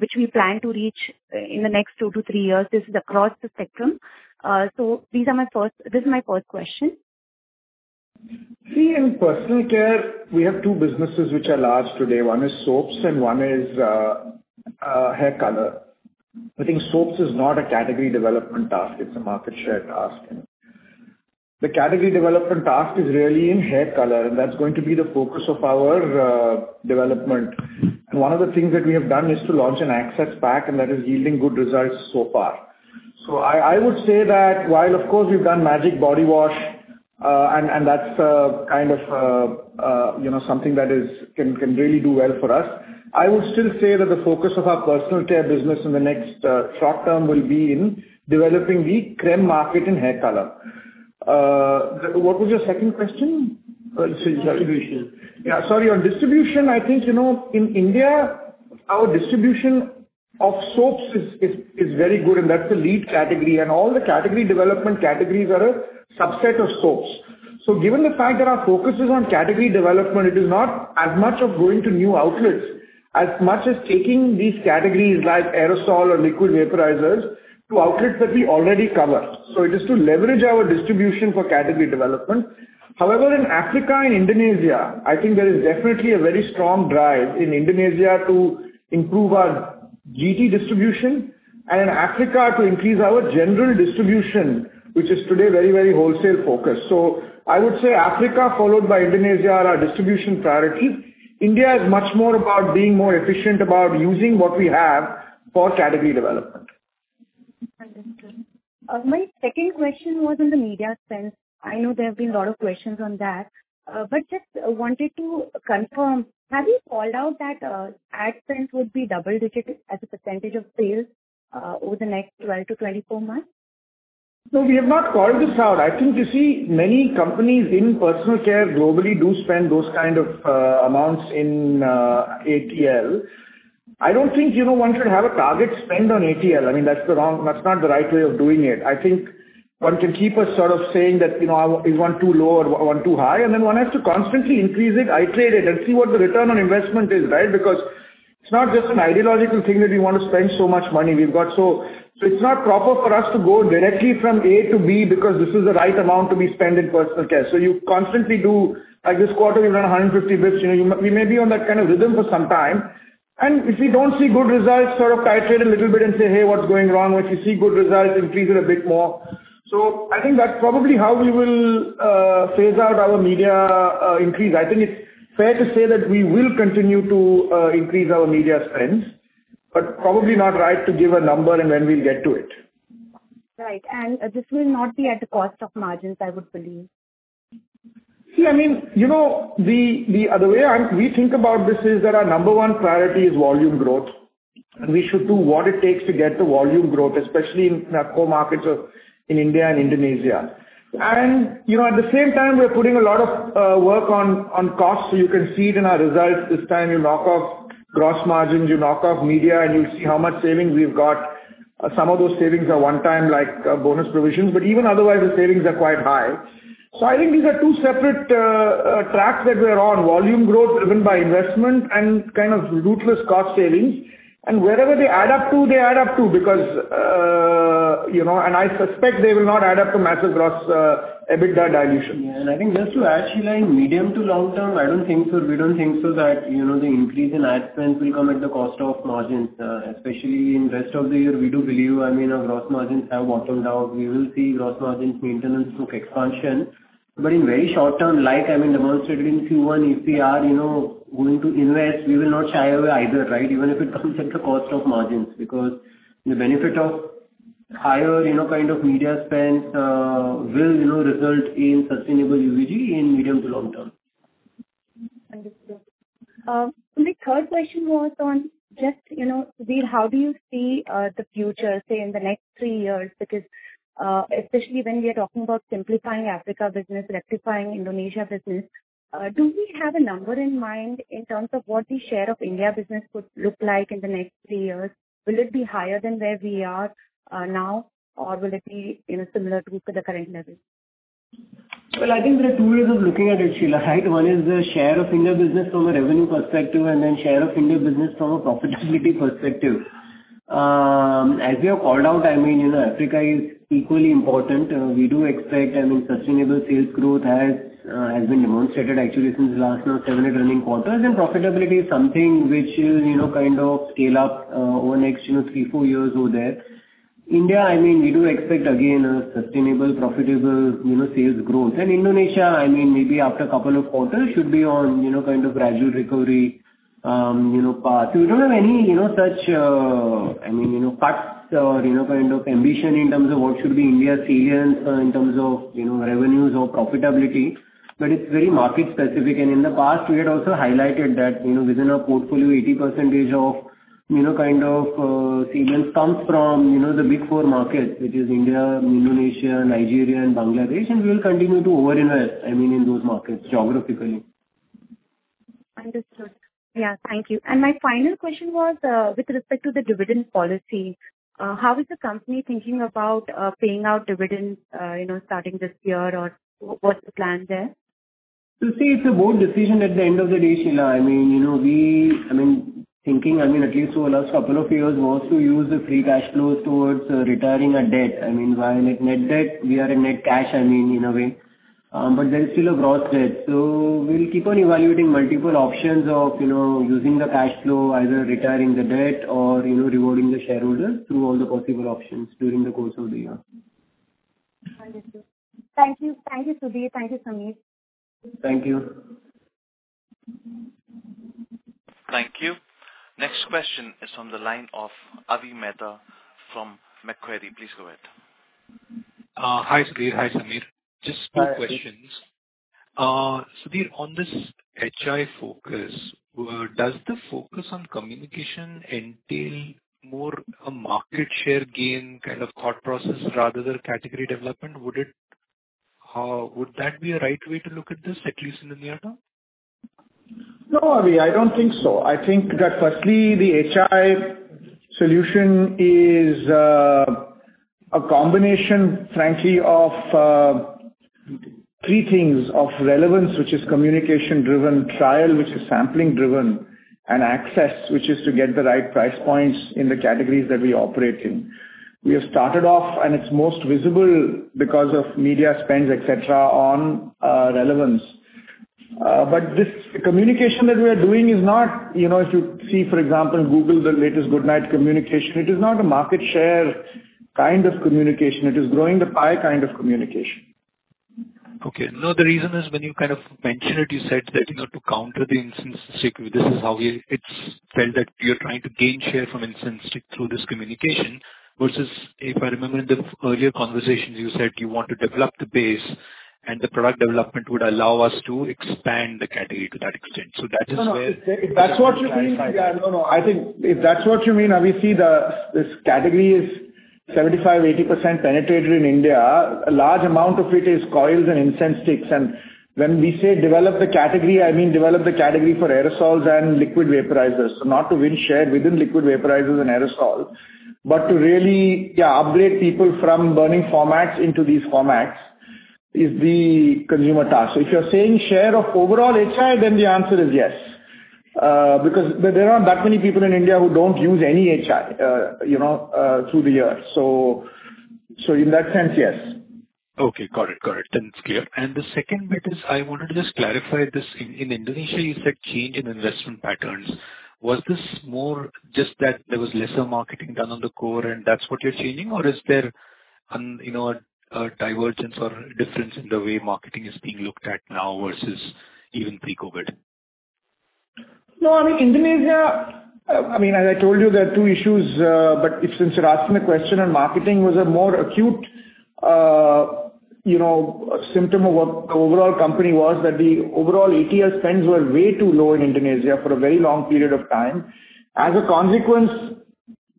which we plan to reach in the next two to three years? This is across the spectrum. This is my first question. See, in personal care, we have two businesses which are large today. One is soaps and one is hair color. I think soaps is not a category development task, it's a market share task. The category development task is really in hair color, and that's going to be the focus of our development. One of the things that we have done is to launch an access pack, and that is yielding good results so far. I would say that while of course, we've done Magic body wash, and that's kind of you know, something that can really do well for us. I would still say that the focus of our personal care business in the next short term will be in developing the cream market in hair color. What was your second question? It's distribution. Distribution. Yeah, sorry. On distribution, I think, you know, in India, our distribution of soaps is very good, and that's the lead category. All the category development categories are a subset of soaps. Given the fact that our focus is on category development, it is not as much of going to new outlets, as much as taking these categories like aerosol or liquid vaporizers to outlets that we already cover. It is to leverage our distribution for category development. However, in Africa and Indonesia, I think there is definitely a very strong drive in Indonesia to improve our GT distribution and in Africa to increase our general distribution, which is today very, very wholesale focused. I would say Africa followed by Indonesia are our distribution priority. India is much more about being more efficient about using what we have for category development. Understood. My second question was on the media spend. I know there have been a lot of questions on that, but just wanted to confirm, have you called out that ad spend would be double-digit as a percentage of sales over the next 12-24 months? No, we have not called this out. I think you see many companies in personal care globally do spend those kind of amounts in ATL. I don't think, you know, one should have a target spend on ATL. I mean, that's not the right way of doing it. I think one can keep a sort of saying that, you know, is one too low or one too high, and then one has to constantly increase it, iterate it, and see what the return on investment is, right? Because it's not just an ideological thing that we want to spend so much money. It's not proper for us to go directly from A to B because this is the right amount to be spent in personal care. You constantly do, like this quarter, you run 150 bps. You know, you may be on that kind of rhythm for some time. If you don't see good results, sort of titrate a little bit and say, "Hey, what's going wrong?" If you see good results, increase it a bit more. I think that's probably how we will phase out our media increase. I think it's fair to say that we will continue to increase our media spends, but probably not right to give a number and when we'll get to it. Right. This will not be at the cost of margins, I would believe. I mean, you know, the other way we think about this is that our number one priority is volume growth, and we should do what it takes to get the volume growth, especially in our core markets of, in India and Indonesia. You know, at the same time, we're putting a lot of work on costs, so you can see it in our results. This time you knock off gross margins, you knock off media, and you'll see how much savings we've got. Some of those savings are one time, like bonus provisions, but even otherwise the savings are quite high. I think these are two separate tracks that we are on. Volume growth driven by investment and kind of ruthless cost savings. Wherever they add up to, they add up to because, you know. I suspect they will not add up to massive gross EBITDA dilution. Yeah. I think just to add, Sheela, in medium to long term, I don't think so that, you know, the increase in ad spend will come at the cost of margins, especially in rest of the year. We do believe, I mean, our gross margins have bottomed out. We will see gross margins maintenance through expansion. But in very short term, like I mean, demonstrated in Q1, if we are, you know, going to invest, we will not shy away either, right? Even if it comes at the cost of margins, because the benefit of higher, you know, kind of media spends, will, you know, result in sustainable UVG in medium to long term. Understood. The third question was on just, you know, Sudhir, how do you see the future, say, in the next three years? Because, especially when we are talking about simplifying Africa business, rectifying Indonesia business, do we have a number in mind in terms of what the share of India business could look like in the next three years? Will it be higher than where we are now, or will it be in a similar group to the current level? Well, I think there are two ways of looking at it, Sheela, right? One is the share of India business from a revenue perspective and then share of India business from a profitability perspective. As we have called out, I mean, you know, Africa is equally important. We do expect, I mean, sustainable sales growth has been demonstrated actually since last now seven-eight earnings quarters. Profitability is something which is, you know, kind of scale up over next, you know, three-four years or so. India, I mean, we do expect again a sustainable profitable, you know, sales growth. Indonesia, I mean, maybe after a couple of quarters should be on, you know, kind of gradual recovery, you know, path. We don't have any, you know, such, I mean, you know, cuts or, you know, kind of ambition in terms of what should be India's sales in terms of, you know, revenues or profitability. But it's very market specific. In the past, we had also highlighted that, you know, within our portfolio, 80% of, you know, kind of, sales comes from, you know, the big four markets, which is India, Indonesia, Nigeria and Bangladesh. We will continue to over-invest, I mean, in those markets geographically. Understood. Yeah. Thank you. My final question was, with respect to the dividend policy, how is the company thinking about paying out dividends, you know, starting this year, or what's the plan there? See, it's a board decision at the end of the day, Sheela. I mean, you know, thinking, I mean, at least over last couple of years was to use the free cash flows towards retiring our debt. I mean, while at net debt, we are a net cash, I mean, in a way, but there's still a gross debt. We'll keep on evaluating multiple options of, you know, using the cash flow, either retiring the debt or, you know, rewarding the shareholders through all the possible options during the course of the year. Understood. Thank you. Thank you, Sudhir. Thank you, Sameer. Thank you. Thank you. Next question is on the line of Avi Mehta from Macquarie. Please go ahead. Hi, Sudhir. Hi, Sameer. Hi. Just two questions. Sudhir, on this HI focus, does the focus on communication entail more a market share gain kind of thought process rather than category development? Would that be a right way to look at this, at least in the near term? No, Avi, I don't think so. I think that firstly, the HI solution is a combination, frankly, of three things. Of relevance, which is communication driven. Trial, which is sampling driven. Access, which is to get the right price points in the categories that we operate in. We have started off, and it's most visible because of media spends, et cetera, on relevance. But this communication that we are doing is not, you know, if you see, for example, Google the latest Good Knight communication, it is not a market share kind of communication. It is growing the pie kind of communication. Okay. No, the reason is when you kind of mentioned it, you said that in order to counter the incense stick, this is how we. It's felt that you're trying to gain share from incense stick through this communication versus if I remember in the earlier conversations, you said you want to develop the base and the product development would allow us to expand the category to that extent. That is where No, no. If that's what you mean. Yeah, no. I think if that's what you mean, this category is 75%-80% penetrated in India. A large amount of it is coils and incense sticks. When we say develop the category, I mean, develop the category for aerosols and liquid vaporizers. Not to win share within liquid vaporizers and aerosols, but to really, yeah, upgrade people from burning formats into these formats is the consumer task. If you're saying share of overall HI, then the answer is yes. Because there aren't that many people in India who don't use any HI, you know, through the year. In that sense, yes. Okay. Got it. It's clear. The second bit is I wanted to just clarify this. In Indonesia, you said change in investment patterns. Was this more just that there was lesser marketing done on the core and that's what you're changing? Or is there, you know, a divergence or difference in the way marketing is being looked at now versus even pre-COVID? No, I mean Indonesia, I mean, as I told you, there are two issues. Since you're asking the question on marketing, was a more acute, you know, symptom of what the overall company was, that the overall ATL spends were way too low in Indonesia for a very long period of time. As a consequence,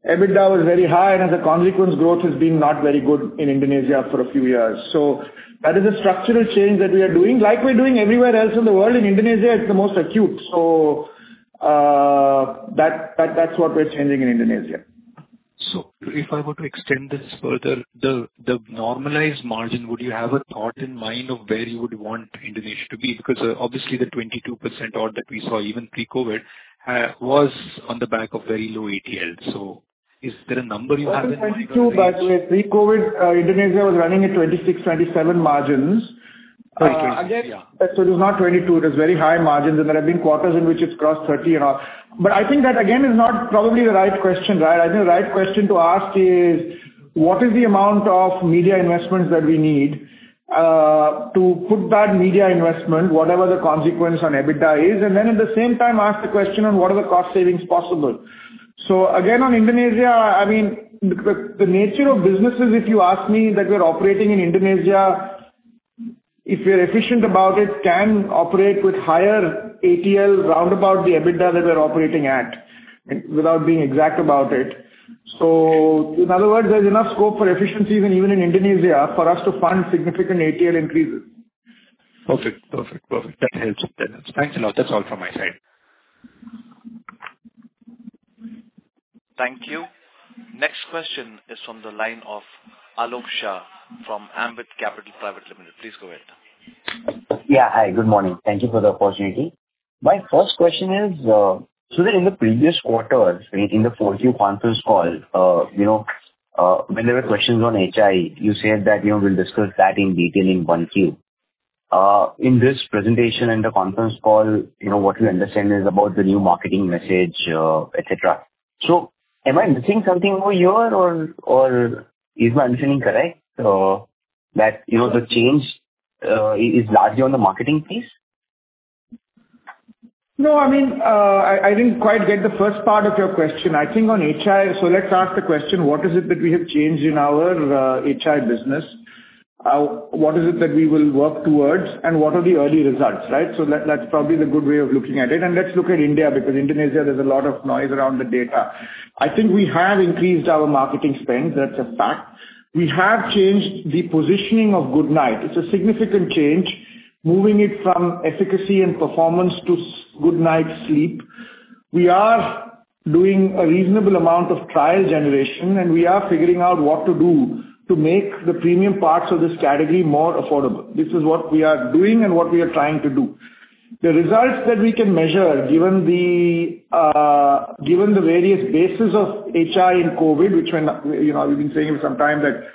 EBITDA was very high and as a consequence, growth has been not very good in Indonesia for a few years. That is a structural change that we are doing. Like we're doing everywhere else in the world, in Indonesia it's the most acute. That's what we're changing in Indonesia. If I were to extend this further, the normalized margin, would you have a thought in mind of where you would want Indonesia to be? Because obviously the 22% odd that we saw even pre-COVID was on the back of very low ATL. Is there a number you have in mind or range? It was 22%, but pre-COVID, Indonesia was running at 26%-27% margins. Okay. Yeah. It was not 22%. It was very high margins, and there have been quarters in which it's crossed 30% and all. I think that again is not probably the right question, right? I think the right question to ask is what is the amount of media investments that we need to put that media investment, whatever the consequence on EBITDA is, and then at the same time ask the question on what are the cost savings possible. I mean, the nature of businesses, if you ask me, that we are operating in Indonesia, if we're efficient about it, can operate with higher ATL round about the EBITDA that we're operating at, without being exact about it. In other words, there's enough scope for efficiencies and even in Indonesia for us to fund significant ATL increases. Perfect. That helps. Thanks a lot. That's all from my side. Thank you. Next question is from the line of Alok Shah from Ambit Capital Private Limited. Please go ahead. Yeah. Hi, good morning. Thank you for the opportunity. My first question is, Sudhir, in the previous quarters, in the 4Q conference call, you know, when there were questions on HI, you said that, you know, we'll discuss that in detail in 1Q. In this presentation and the conference call, you know, what we understand is about the new marketing message, et cetera. Am I missing something over here or is my understanding correct, that, you know, the change is largely on the marketing piece? No. I mean, I didn't quite get the first part of your question. I think on HI. Let's ask the question, what is it that we have changed in our HI business? What is it that we will work towards and what are the early results, right? That, that's probably the good way of looking at it. Let's look at India, because Indonesia there's a lot of noise around the data. I think we have increased our marketing spends, that's a fact. We have changed the positioning of Goodknight. It's a significant change, moving it from efficacy and performance to good night's sleep. We are doing a reasonable amount of trial generation, and we are figuring out what to do to make the premium parts of this category more affordable. This is what we are doing and what we are trying to do. The results that we can measure, given the various bases of HI in COVID. You know, we've been saying for some time that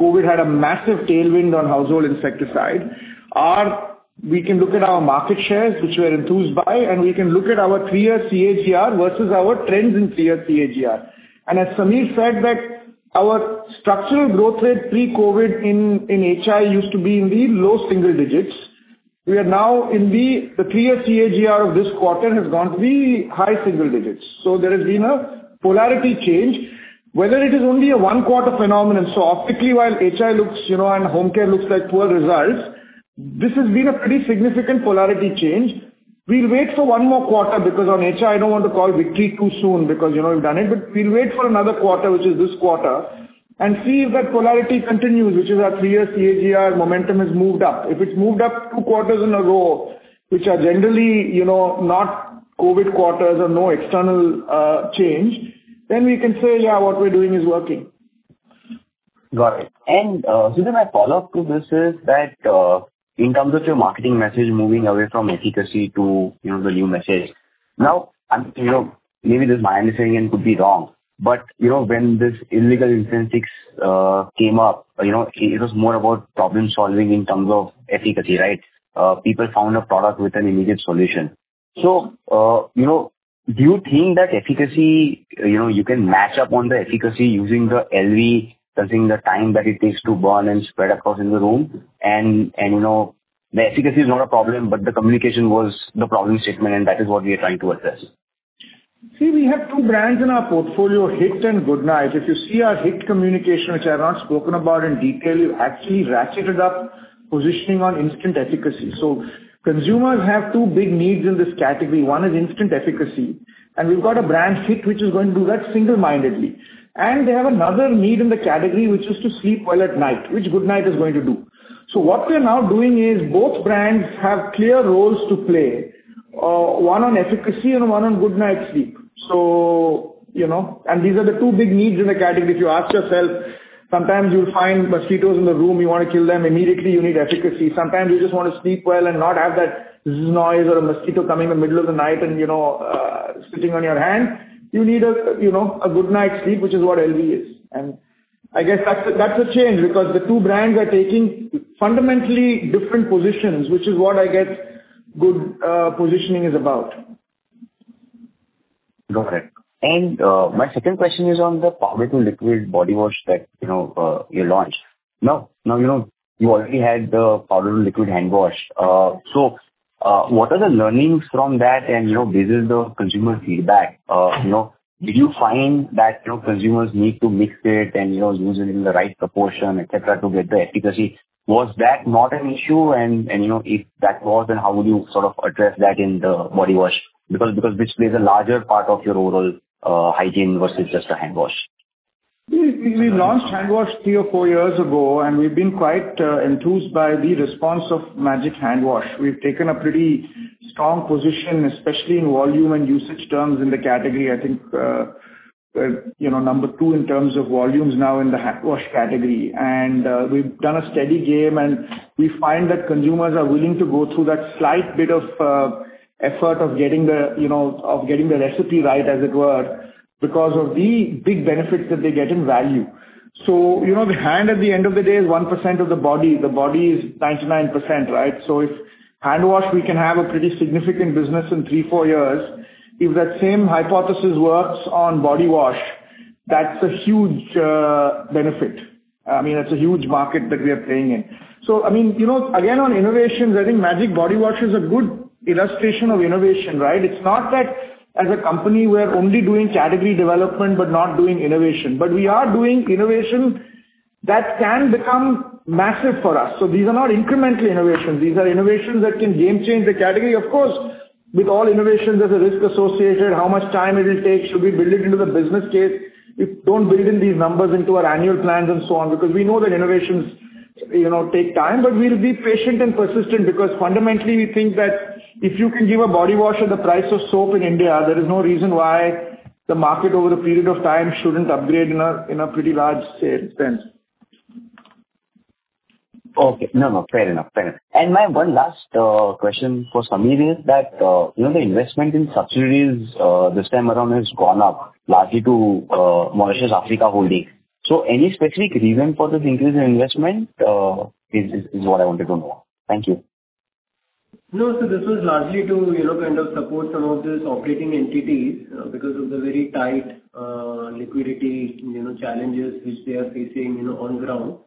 COVID had a massive tailwind on household insecticide. Or we can look at our market shares, which we're enthused by, and we can look at our three-year CAGR versus our trends in three-year CAGR. As Samir said that our structural growth rate pre-COVID in HI used to be in the low single digits. The three-year CAGR of this quarter has gone to the high single digits. There has been a polarity change, whether it is only a one quarter phenomenon. Optically, while HI looks, you know, and Home Care looks like poor results, this has been a pretty significant polarity change. We'll wait for one more quarter because on HI I don't want to call victory too soon because, you know, we've done it. We'll wait for another quarter, which is this quarter, and see if that polarity continues, which is our three-year CAGR momentum has moved up. If it's moved up two quarters in a row, which are generally, you know, not COVID quarters or no external change, then we can say, yeah, what we're doing is working. Got it. Sudhir, my follow-up to this is that, in terms of your marketing message moving away from efficacy to, you know, the new message. Now, you know, maybe this is my understanding and could be wrong, but, you know, when this illegal incense sticks came up, you know, it was more about problem-solving in terms of efficacy, right? People found a product with an immediate solution. You know, do you think that efficacy, you know, you can match up on the efficacy using the LV, judging the time that it takes to burn and spread across in the room and, you know, the efficacy is not a problem, but the communication was the problem statement, and that is what we are trying to address. See, we have two brands in our portfolio, HIT and Good Knight. If you see our HIT communication, which I've not spoken about in detail, we've actually ratcheted up positioning on instant efficacy. Consumers have two big needs in this category. One is instant efficacy, and we've got a brand, HIT, which is going to do that single-mindedly. They have another need in the category, which is to sleep well at night, which Good Knight is going to do. What we're now doing is both brands have clear roles to play, one on efficacy and one on good night sleep. You know, and these are the two big needs in the category. If you ask yourself, sometimes you'll find mosquitoes in the room, you wanna kill them immediately, you need efficacy. Sometimes you just wanna sleep well and not have that zzz noise or a mosquito coming in the middle of the night and, you know, sitting on your hand. You need a, you know, a good night's sleep, which is what LV is. I guess that's a change because the two brands are taking fundamentally different positions, which is what I guess good positioning is about. Got it. My second question is on the powder to liquid body wash that, you know, you launched. Now, you know, you already had the powder to liquid hand wash. What are the learnings from that? You know, this is the consumer feedback, you know. Did you find that, you know, consumers need to mix it and, you know, use it in the right proportion, et cetera, to get the efficacy? Was that not an issue? You know, if that was, then how would you sort of address that in the body wash? Because this plays a larger part of your overall hygiene versus just a hand wash. We launched hand wash three or four years ago, and we've been quite enthused by the response of Magic hand wash. We've taken a pretty strong position, especially in volume and usage terms in the category. I think we're, you know, number two in terms of volumes now in the hand wash category. We've done a steady gain, and we find that consumers are willing to go through that slight bit of effort of getting the, you know, of getting the recipe right, as it were, because of the big benefits that they get in value. You know, the hand, at the end of the day, is 1% of the body. The body is 99%, right? If hand wash, we can have a pretty significant business in three-four years, if that same hypothesis works on body wash, that's a huge benefit. I mean, that's a huge market that we are playing in. I mean, you know, again, on innovations, I think Magic body wash is a good illustration of innovation, right? It's not that as a company, we're only doing category development but not doing innovation. We are doing innovation that can become massive for us. These are not incremental innovations. These are innovations that can game change the category. Of course, with all innovations, there's a risk associated, how much time it'll take. Should we build it into the business case? We don't build in these numbers into our annual plans and so on, because we know that innovations, you know, take time. We'll be patient and persistent because fundamentally we think that if you can give a body wash at the price of soap in India, there is no reason why the market over a period of time shouldn't upgrade in a pretty large scale sense. Okay. No, no, fair enough. Fair enough. My one last question for Sameer is that, you know, the investment in subsidiaries, this time around has gone up largely to Mauritius Africa Holdings. So any specific reason for this increase in investment is what I wanted to know. Thank you. No. This was largely to, you know, kind of support some of these operating entities, because of the very tight, liquidity, you know, challenges which they are facing, you know, on ground.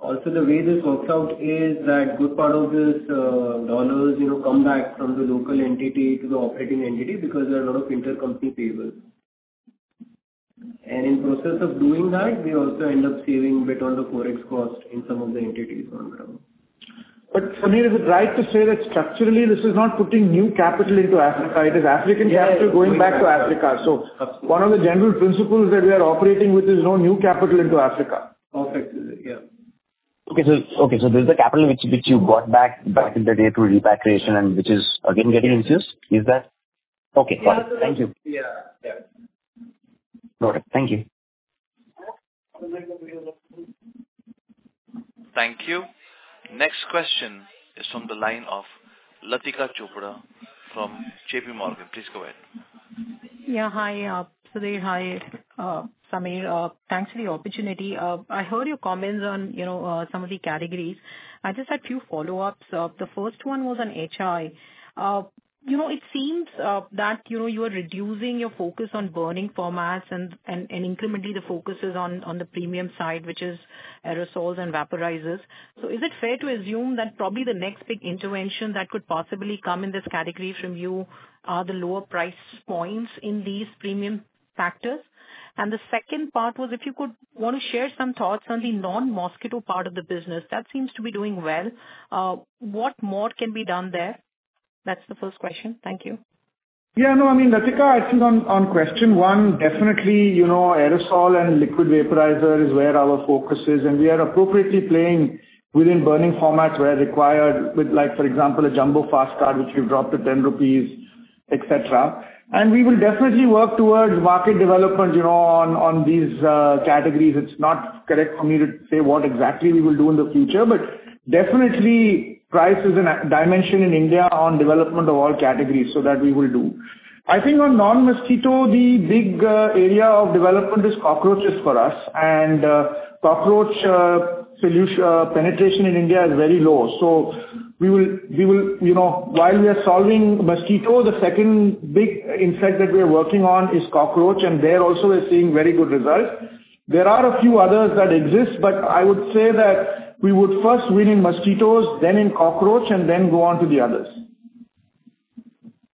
Also, the way this works out is that good part of this, dollars, you know, come back from the local entity to the operating entity because there are a lot of intercompany payables. In process of doing that, we also end up saving bit on the Forex cost in some of the entities on ground. Sameer, is it right to say that structurally this is not putting new capital into Africa? It is African capital. Yes. Going back to Africa. Absolutely. One of the general principles that we are operating with is no new capital into Africa. Perfect. Yeah. Okay. This is the capital which you brought back in the day through repatriation and which is again getting infused. Is that? Yes. Okay, got it. Thank you. Yeah. Yeah. Got it. Thank you. Thank you. Next question is from the line of Latika Chopra from JPMorgan. Please go ahead. Yeah, hi, Sudhir. Hi, Sameer. Thanks for the opportunity. I heard your comments on, you know, some of the categories. I just had two follow-ups. The first one was on HI. You know, it seems that, you know, you are reducing your focus on burning formats and incrementally the focus is on the premium side, which is aerosols and vaporizers. So is it fair to assume that probably the next big intervention that could possibly come in this category from you are the lower price points in these premium formats? And the second part was if you could wanna share some thoughts on the non-mosquito part of the business. That seems to be doing well. What more can be done there? That's the first question. Thank you. Yeah, no, I mean, Latika, I think on question one, definitely, you know, aerosol and Liquid Vaporizer is where our focus is, and we are appropriately playing within burning formats where required with, like, for example, a Goodknight Jumbo Fast Card, which we've dropped to 10 rupees. Et cetera. We will definitely work towards market development, you know, on these categories. It's not correct for me to say what exactly we will do in the future. Definitely price is a dimension in India on development of all categories, so that we will do. I think on non-mosquito, the big area of development is cockroaches for us. Cockroach penetration in India is very low. We will. You know, while we are solving mosquito, the second big insect that we are working on is cockroach, and there also we're seeing very good results. There are a few others that exist, but I would say that we would first win in mosquitoes, then in cockroach, and then go on to the others.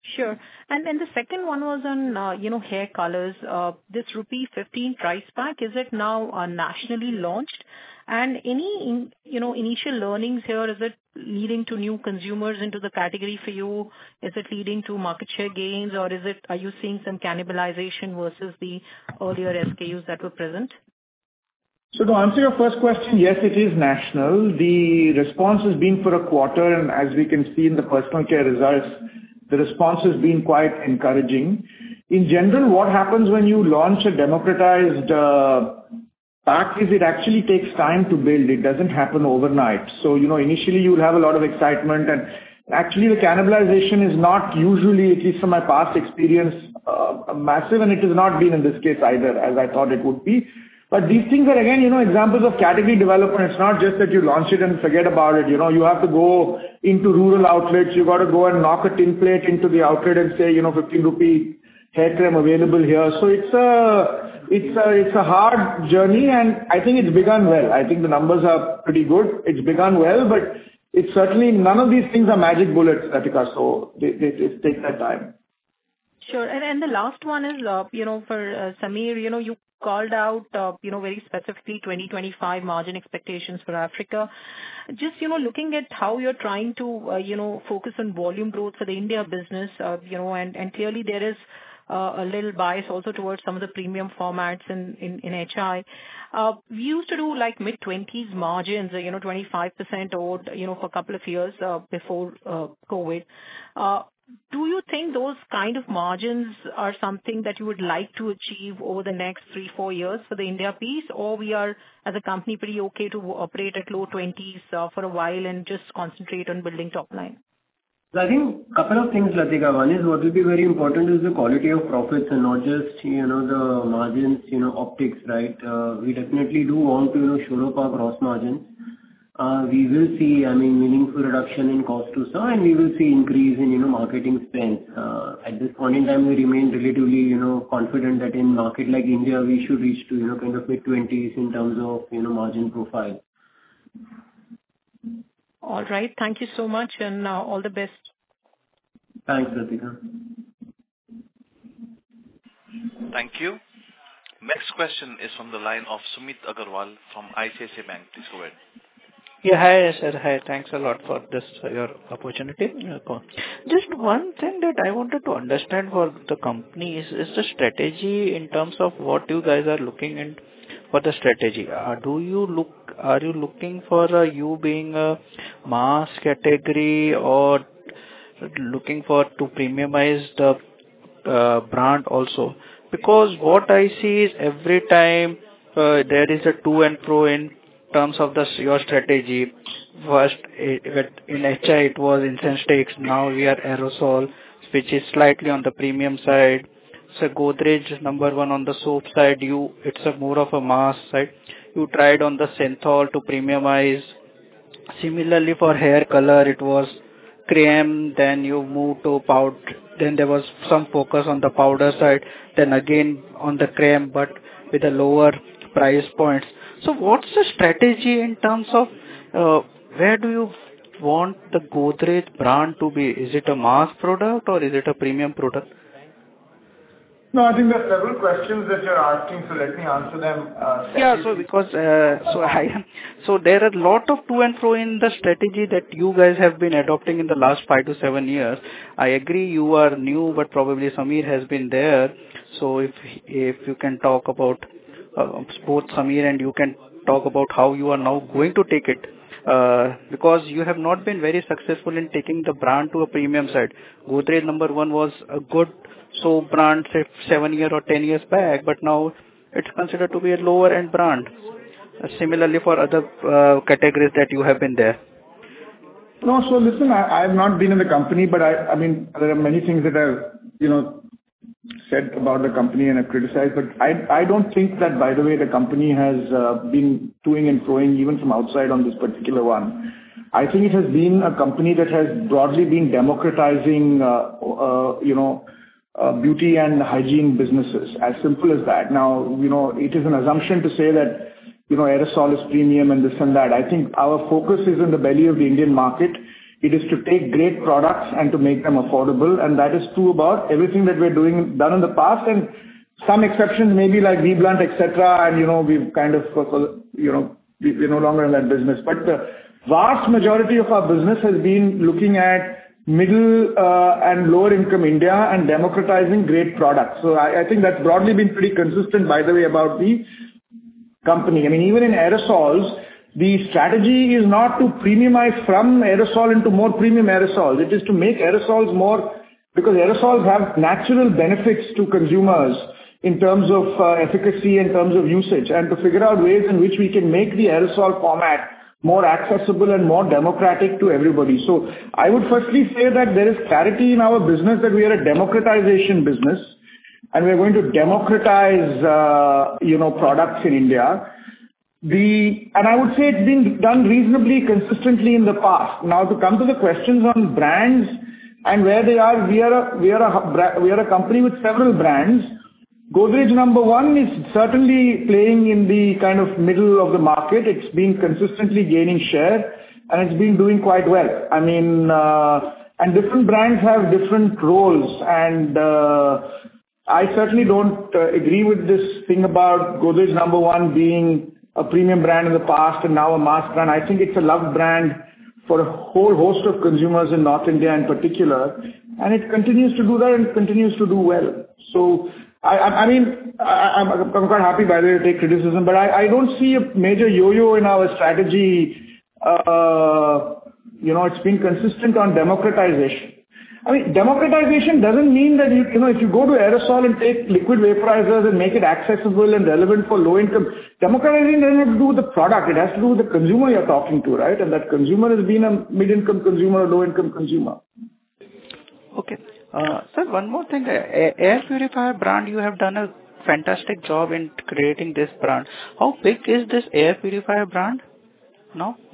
Sure. The second one was on, you know, hair colors. This rupee 15 price pack, is it now nationally launched? Any, you know, initial learnings here, is it leading to new consumers into the category for you? Is it leading to market share gains, or are you seeing some cannibalization versus the earlier SKUs that were present? To answer your first question, yes, it is national. The response has been for a quarter, and as we can see in the personal care results, the response has been quite encouraging. In general, what happens when you launch a democratized pack is it actually takes time to build. It doesn't happen overnight. You know, initially you'll have a lot of excitement. Actually the cannibalization is not usually, at least from my past experience, massive, and it has not been in this case either as I thought it would be. These things are, again, you know, examples of category development. It's not just that you launch it and forget about it, you know. You have to go into rural outlets. You've got to go and knock a tin plate into the outlet and say, you know, 15 rupee hair cream available here. It's a hard journey. I think it's begun well. I think the numbers are pretty good. It's begun well, but it certainly none of these things are magic bullets, Latika. They take their time. Sure. The last one is, you know, for Samir, you know, you called out, you know, very specifically 2025 margin expectations for Africa. Just, you know, looking at how you're trying to, you know, focus on volume growth for the India business, you know, and clearly there is a little bias also towards some of the premium formats in HI. We used to do like mid-20s margins, you know, 25% or, you know, for a couple of years before COVID. Do you think those kind of margins are something that you would like to achieve over the next three-four years for the India piece? Or we are as a company pretty okay to operate at low 20s for a while and just concentrate on building top line? I think a couple of things, Latika. One is what will be very important is the quality of profits and not just, you know, the margins, you know, optics, right? We definitely do want to, you know, shore up our gross margins. We will see, I mean, meaningful reduction in cost to serve, and we will see increase in, you know, marketing spend. At this point in time, we remain relatively, you know, confident that in market like India, we should reach to, you know, kind of mid-20s% in terms of, you know, margin profile. All right. Thank you so much, and all the best. Thanks, Latika. Thank you. Next question is from the line of Sumeet Agarwal from ICICI Bank. Please go ahead. Yeah, hi, sir. Hi, thanks a lot for this, your opportunity. Just one thing that I wanted to understand for the company is the strategy in terms of what you guys are looking and what the strategy. Are you looking for, you being a mass category or looking for to premiumize the, brand also? Because what I see is every time, there is a to and fro in terms of the, your strategy. First it in HI it was incense sticks. Now we are aerosol, which is slightly on the premium side. So Godrej No. 1 on the soap side, you, it's a more of a mass, right? You tried on the Cinthol to premiumize. Similarly for hair color it was cream, then you moved to powd... There was some focus on the powder side, then again on the cream, but with the lower price points. What's the strategy in terms of, where do you want the Godrej brand to be? Is it a mass product or is it a premium product? No, I think there are several questions that you're asking, so let me answer them. Yeah. Because there are lot of to and fro in the strategy that you guys have been adopting in the last five-seven years. I agree you are new, but probably Samir has been there. If you can talk about both Samir and you can talk about how you are now going to take it. Because you have not been very successful in taking the brand to a premium side. Godrej No. 1 was a good soap brand, say, seven years or 10 years back, but now it's considered to be a lower-end brand. Similarly for other categories that you have been there. No. Listen, I've not been in the company, but I mean, there are many things that I've, you know, said about the company and I've criticized, but I don't think that, by the way, the company has been toing and froing even from outside on this particular one. I think it has been a company that has broadly been democratizing, you know, beauty and hygiene businesses, as simple as that. Now, you know, it is an assumption to say that, you know, aerosol is premium and this and that. I think our focus is in the belly of the Indian market. It is to take great products and to make them affordable, and that is true about everything that we're doing, done in the past. Some exceptions may be like BBLUNT, et cetera, and, you know, we've kind of, you know, we're no longer in that business. Vast majority of our business has been looking at middle and lower income India and democratizing great products. I think that's broadly been pretty consistent, by the way, about the company. I mean, even in aerosols, the strategy is not to premiumize from aerosol into more premium aerosol. It is to make aerosols more. Because aerosols have natural benefits to consumers in terms of efficacy, in terms of usage, and to figure out ways in which we can make the aerosol format more accessible and more democratic to everybody. I would firstly say that there is clarity in our business that we are a democratization business and we are going to democratize products in India. I would say it's been done reasonably consistently in the past. Now, to come to the questions on brands and where they are, we are a company with several brands. Godrej No. 1 is certainly playing in the kind of middle of the market. It's been consistently gaining share, and it's been doing quite well. I mean, and different brands have different roles. I certainly don't agree with this thing about Godrej No. 1 being a premium brand in the past and now a mass brand. I think it's a loved brand for a whole host of consumers in North India in particular, and it continues to do that and continues to do well. I mean, I'm quite happy by the way to take criticism, but I don't see a major yo-yo in our strategy. You know, it's been consistent on democratization. I mean, democratization doesn't mean that, you know, if you go to aerosol and take liquid vaporizers and make it accessible and relevant for low income. Democratization doesn't have to do with the product. It has to do with the consumer you're talking to, right? That consumer has been a mid-income consumer or low-income consumer. Okay. Sir, one more thing. Air purifier brand, you have done a fantastic job in creating this brand. How big is this air purifier brand now for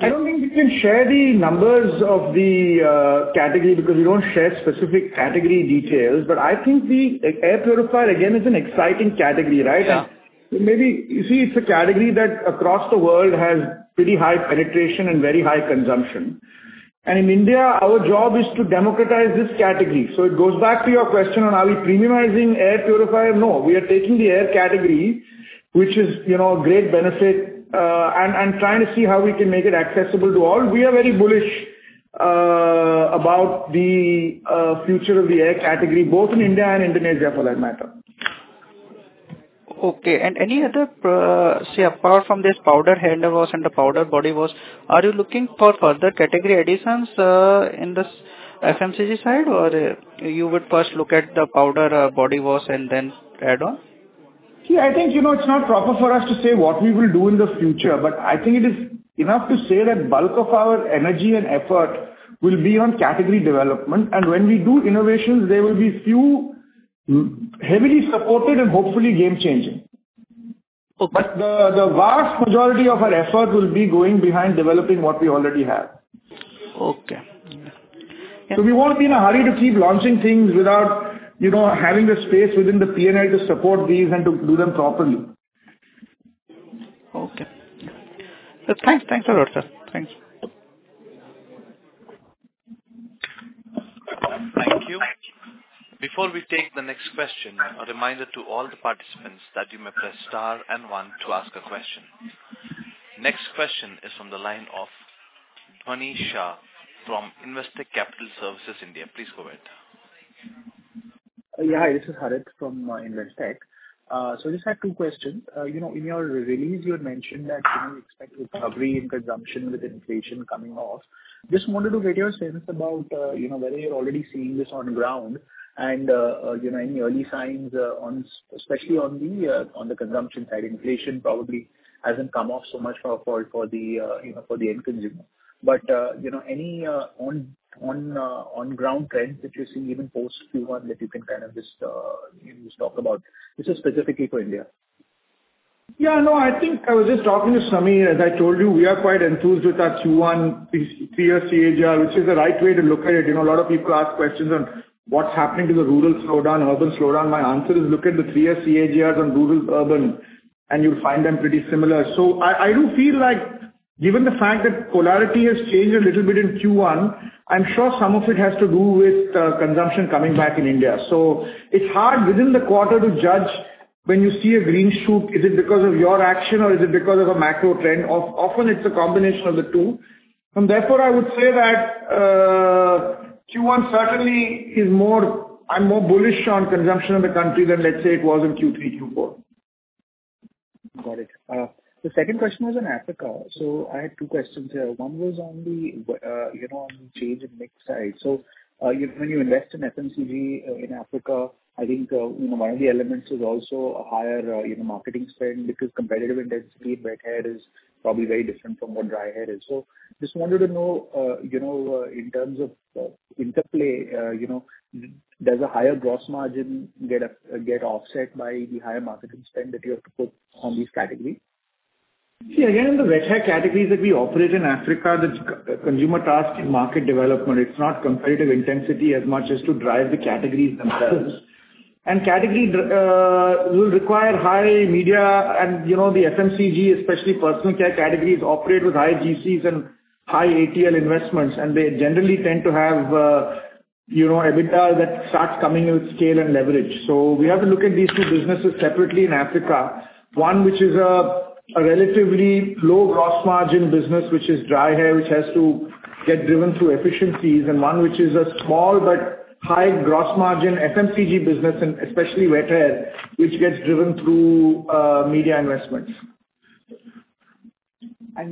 you? I don't think we can share the numbers of the category because we don't share specific category details. I think the air purifier again is an exciting category, right? Yeah. You see, it's a category that across the world has pretty high penetration and very high consumption. In India, our job is to democratize this category. It goes back to your question on are we premiumizing air purifier? No. We are taking the air category, which is, you know, a great benefit, and trying to see how we can make it accessible to all. We are very bullish about the future of the air category, both in India and Indonesia for that matter. Okay. Any other, say apart from this powder hand wash and the powder body wash, are you looking for further category additions, in this FMCG side, or you would first look at the powder body wash and then add on? See, I think, you know, it's not proper for us to say what we will do in the future, but I think it is enough to say that bulk of our energy and effort will be on category development. When we do innovations, there will be few heavily supported and hopefully game-changing. Okay. The vast majority of our effort will be going behind developing what we already have. Okay. Yeah. We won't be in a hurry to keep launching things without, you know, having the space within the P&L to support these and to do them properly. Okay. Sir, thanks. Thanks a lot, sir. Thanks. Thank you. Before we take the next question, a reminder to all the participants that you may press star and one to ask a question. Next question is from the line of Dhvani Shah from Investec Capital Services, India. Please go ahead. This is Harit from Investec. I just had two questions. You know, in your release you had mentioned that you expect recovery in consumption with inflation coming off. Just wanted to get your sense about, you know, whether you're already seeing this on ground and, you know, any early signs, especially on the consumption side. Inflation probably hasn't come off so much for the end consumer. You know, any on ground trends that you're seeing even post Q1 that you can kind of just, you know, just talk about. This is specifically for India. Yeah, no, I think I was just talking to Sameer. As I told you, we are quite enthused with our Q1 three-year CAGR, which is the right way to look at it. You know, a lot of people ask questions on what's happening to the rural slowdown, urban slowdown. My answer is look at the three-year CAGRs on rural, urban, and you'll find them pretty similar. I do feel like given the fact that polarity has changed a little bit in Q1, I'm sure some of it has to do with consumption coming back in India. It's hard within the quarter to judge when you see a green shoot, is it because of your action or is it because of a macro trend? Often it's a combination of the two. Therefore, I would say that Q1 certainly is more. I'm more bullish on consumption of the country than let's say it was in Q3, Q4. Got it. The second question was on Africa. I had two questions here. One was on the, you know, on change in mix side. When you invest in FMCG, in Africa, I think, you know, one of the elements is also a higher, you know, marketing spend because competitive intensity wet hair is probably very different from what dry hair is. Just wanted to know, you know, in terms of, interplay, you know, does a higher gross margin get offset by the higher marketing spend that you have to put on these categories? See, again, the wet hair categories that we operate in Africa, that's consumer task and market development. It's not competitive intensity as much as to drive the categories themselves. Category will require high media and, you know, the FMCG, especially personal care categories, operate with high GMs and high ATL investments, and they generally tend to have, you know, EBITDA that starts coming with scale and leverage. We have to look at these two businesses separately in Africa. One, which is a relatively low gross margin business, which is dry hair, which has to get driven through efficiencies, and one which is a small but high gross margin FMCG business, and especially wet hair, which gets driven through media investments.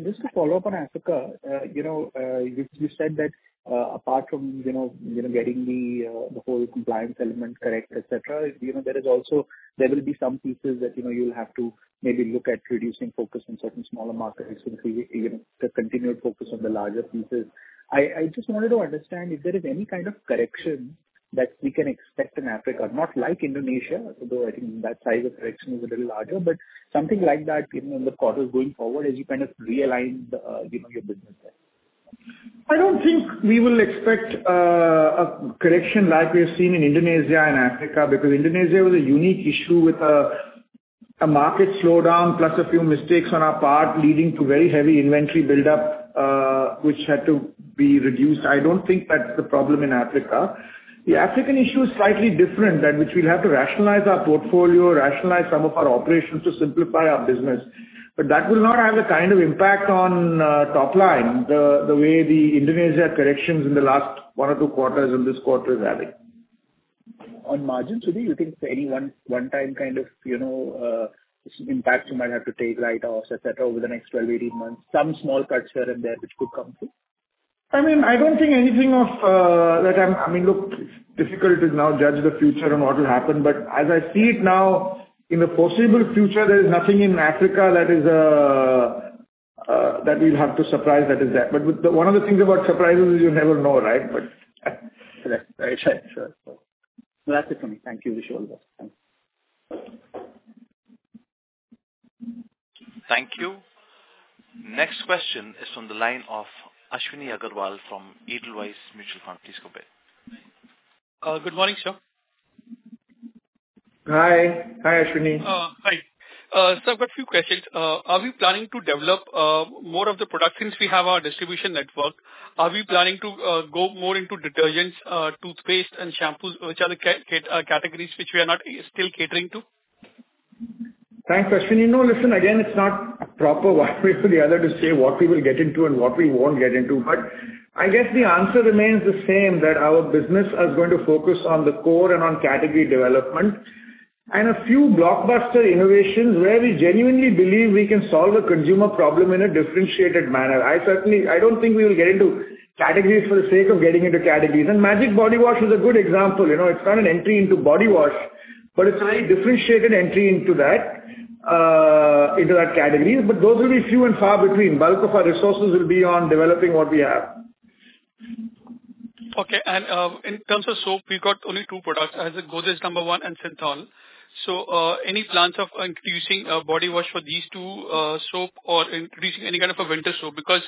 Just to follow up on Africa, you know, you said that, apart from, you know, getting the whole compliance element correct, et cetera, you know, there is also, there will be some pieces that, you know, you'll have to maybe look at reducing focus on certain smaller markets and seek, you know, the continued focus on the larger pieces. I just wanted to understand if there is any kind of correction that we can expect in Africa, not like Indonesia, although I think that size of correction is a little larger, but something like that, you know, in the quarters going forward as you kind of realign the, you know, your business there. I don't think we will expect a correction like we have seen in Indonesia and Africa because Indonesia was a unique issue with a market slowdown plus a few mistakes on our part leading to very heavy inventory buildup, which had to be reduced. I don't think that's the problem in Africa. The African issue is slightly different, that which we'll have to rationalize our portfolio, rationalize some of our operations to simplify our business. That will not have the kind of impact on top line, the way the Indonesia corrections in the last one or two quarters and this quarter is having. On margins, would you think any one-time kind of, you know, impact you might have to take write-offs, et cetera, over the next 12, 18 months, some small cuts here and there which could come through? I mean, I don't think anything of, look, difficult to now judge the future and what will happen, but as I see it now, in the foreseeable future, there is nothing in Africa that will surprise us. One of the things about surprises is you never know, right? Correct. Right. Sure. Well, that's it from me. Thank you. Wish you all the best. Thanks. Thank you. Next question is from the line of Ashwani Agarwalla from Edelweiss Mutual Fund. Please go ahead. Good morning, sir. Hi. Hi, Ashwani. Hi. So I've got a few questions. Are we planning to develop more of the products since we have our distribution network? Are we planning to go more into detergents, toothpaste and shampoos, which are the categories which we are not still catering to? Thanks, Ashwani. No, listen, again, it's not proper one way or the other to say what we will get into and what we won't get into, but I guess the answer remains the same, that our business is going to focus on the core and on category development and a few blockbuster innovations where we genuinely believe we can solve a consumer problem in a differentiated manner. I certainly don't think we will get into categories for the sake of getting into categories. Magic Body Wash is a good example. You know, it's not an entry into body wash, but it's a very differentiated entry into that category. Those will be few and far between. Bulk of our resources will be on developing what we have. Okay. In terms of soap, we've got only two products. As in Godrej No. 1 and Cinthol. Any plans of increasing body wash for these two soap or introducing any kind of a winter soap? Because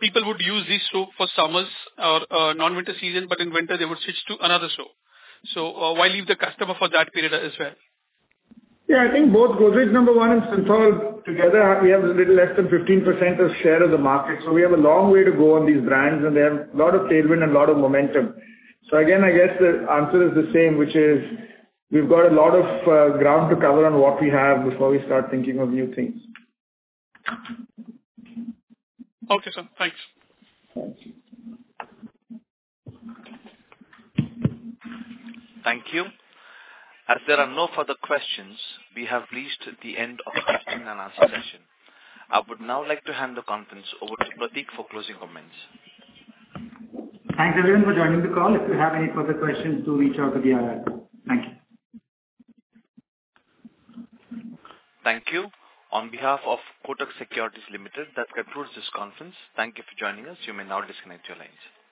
people would use these soap for summers or non-winter season, but in winter they would switch to another soap. Why leave the customer for that period as well? I think both Godrej No. 1 and Cinthol together, we have a little less than 15% share of the market, so we have a long way to go on these brands, and they have a lot of penetration and a lot of momentum. Again, I guess the answer is the same, which is we've got a lot of ground to cover on what we have before we start thinking of new things. Okay, sir. Thanks. Thank you. Thank you. As there are no further questions, we have reached the end of the question and answer session. I would now like to hand the conference over to Pratik for closing comments. Thanks everyone for joining the call. If you have any further questions, do reach out to the IR team. Thank you. Thank you. On behalf of Kotak Securities Limited, that concludes this conference. Thank you for joining us. You may now disconnect your lines.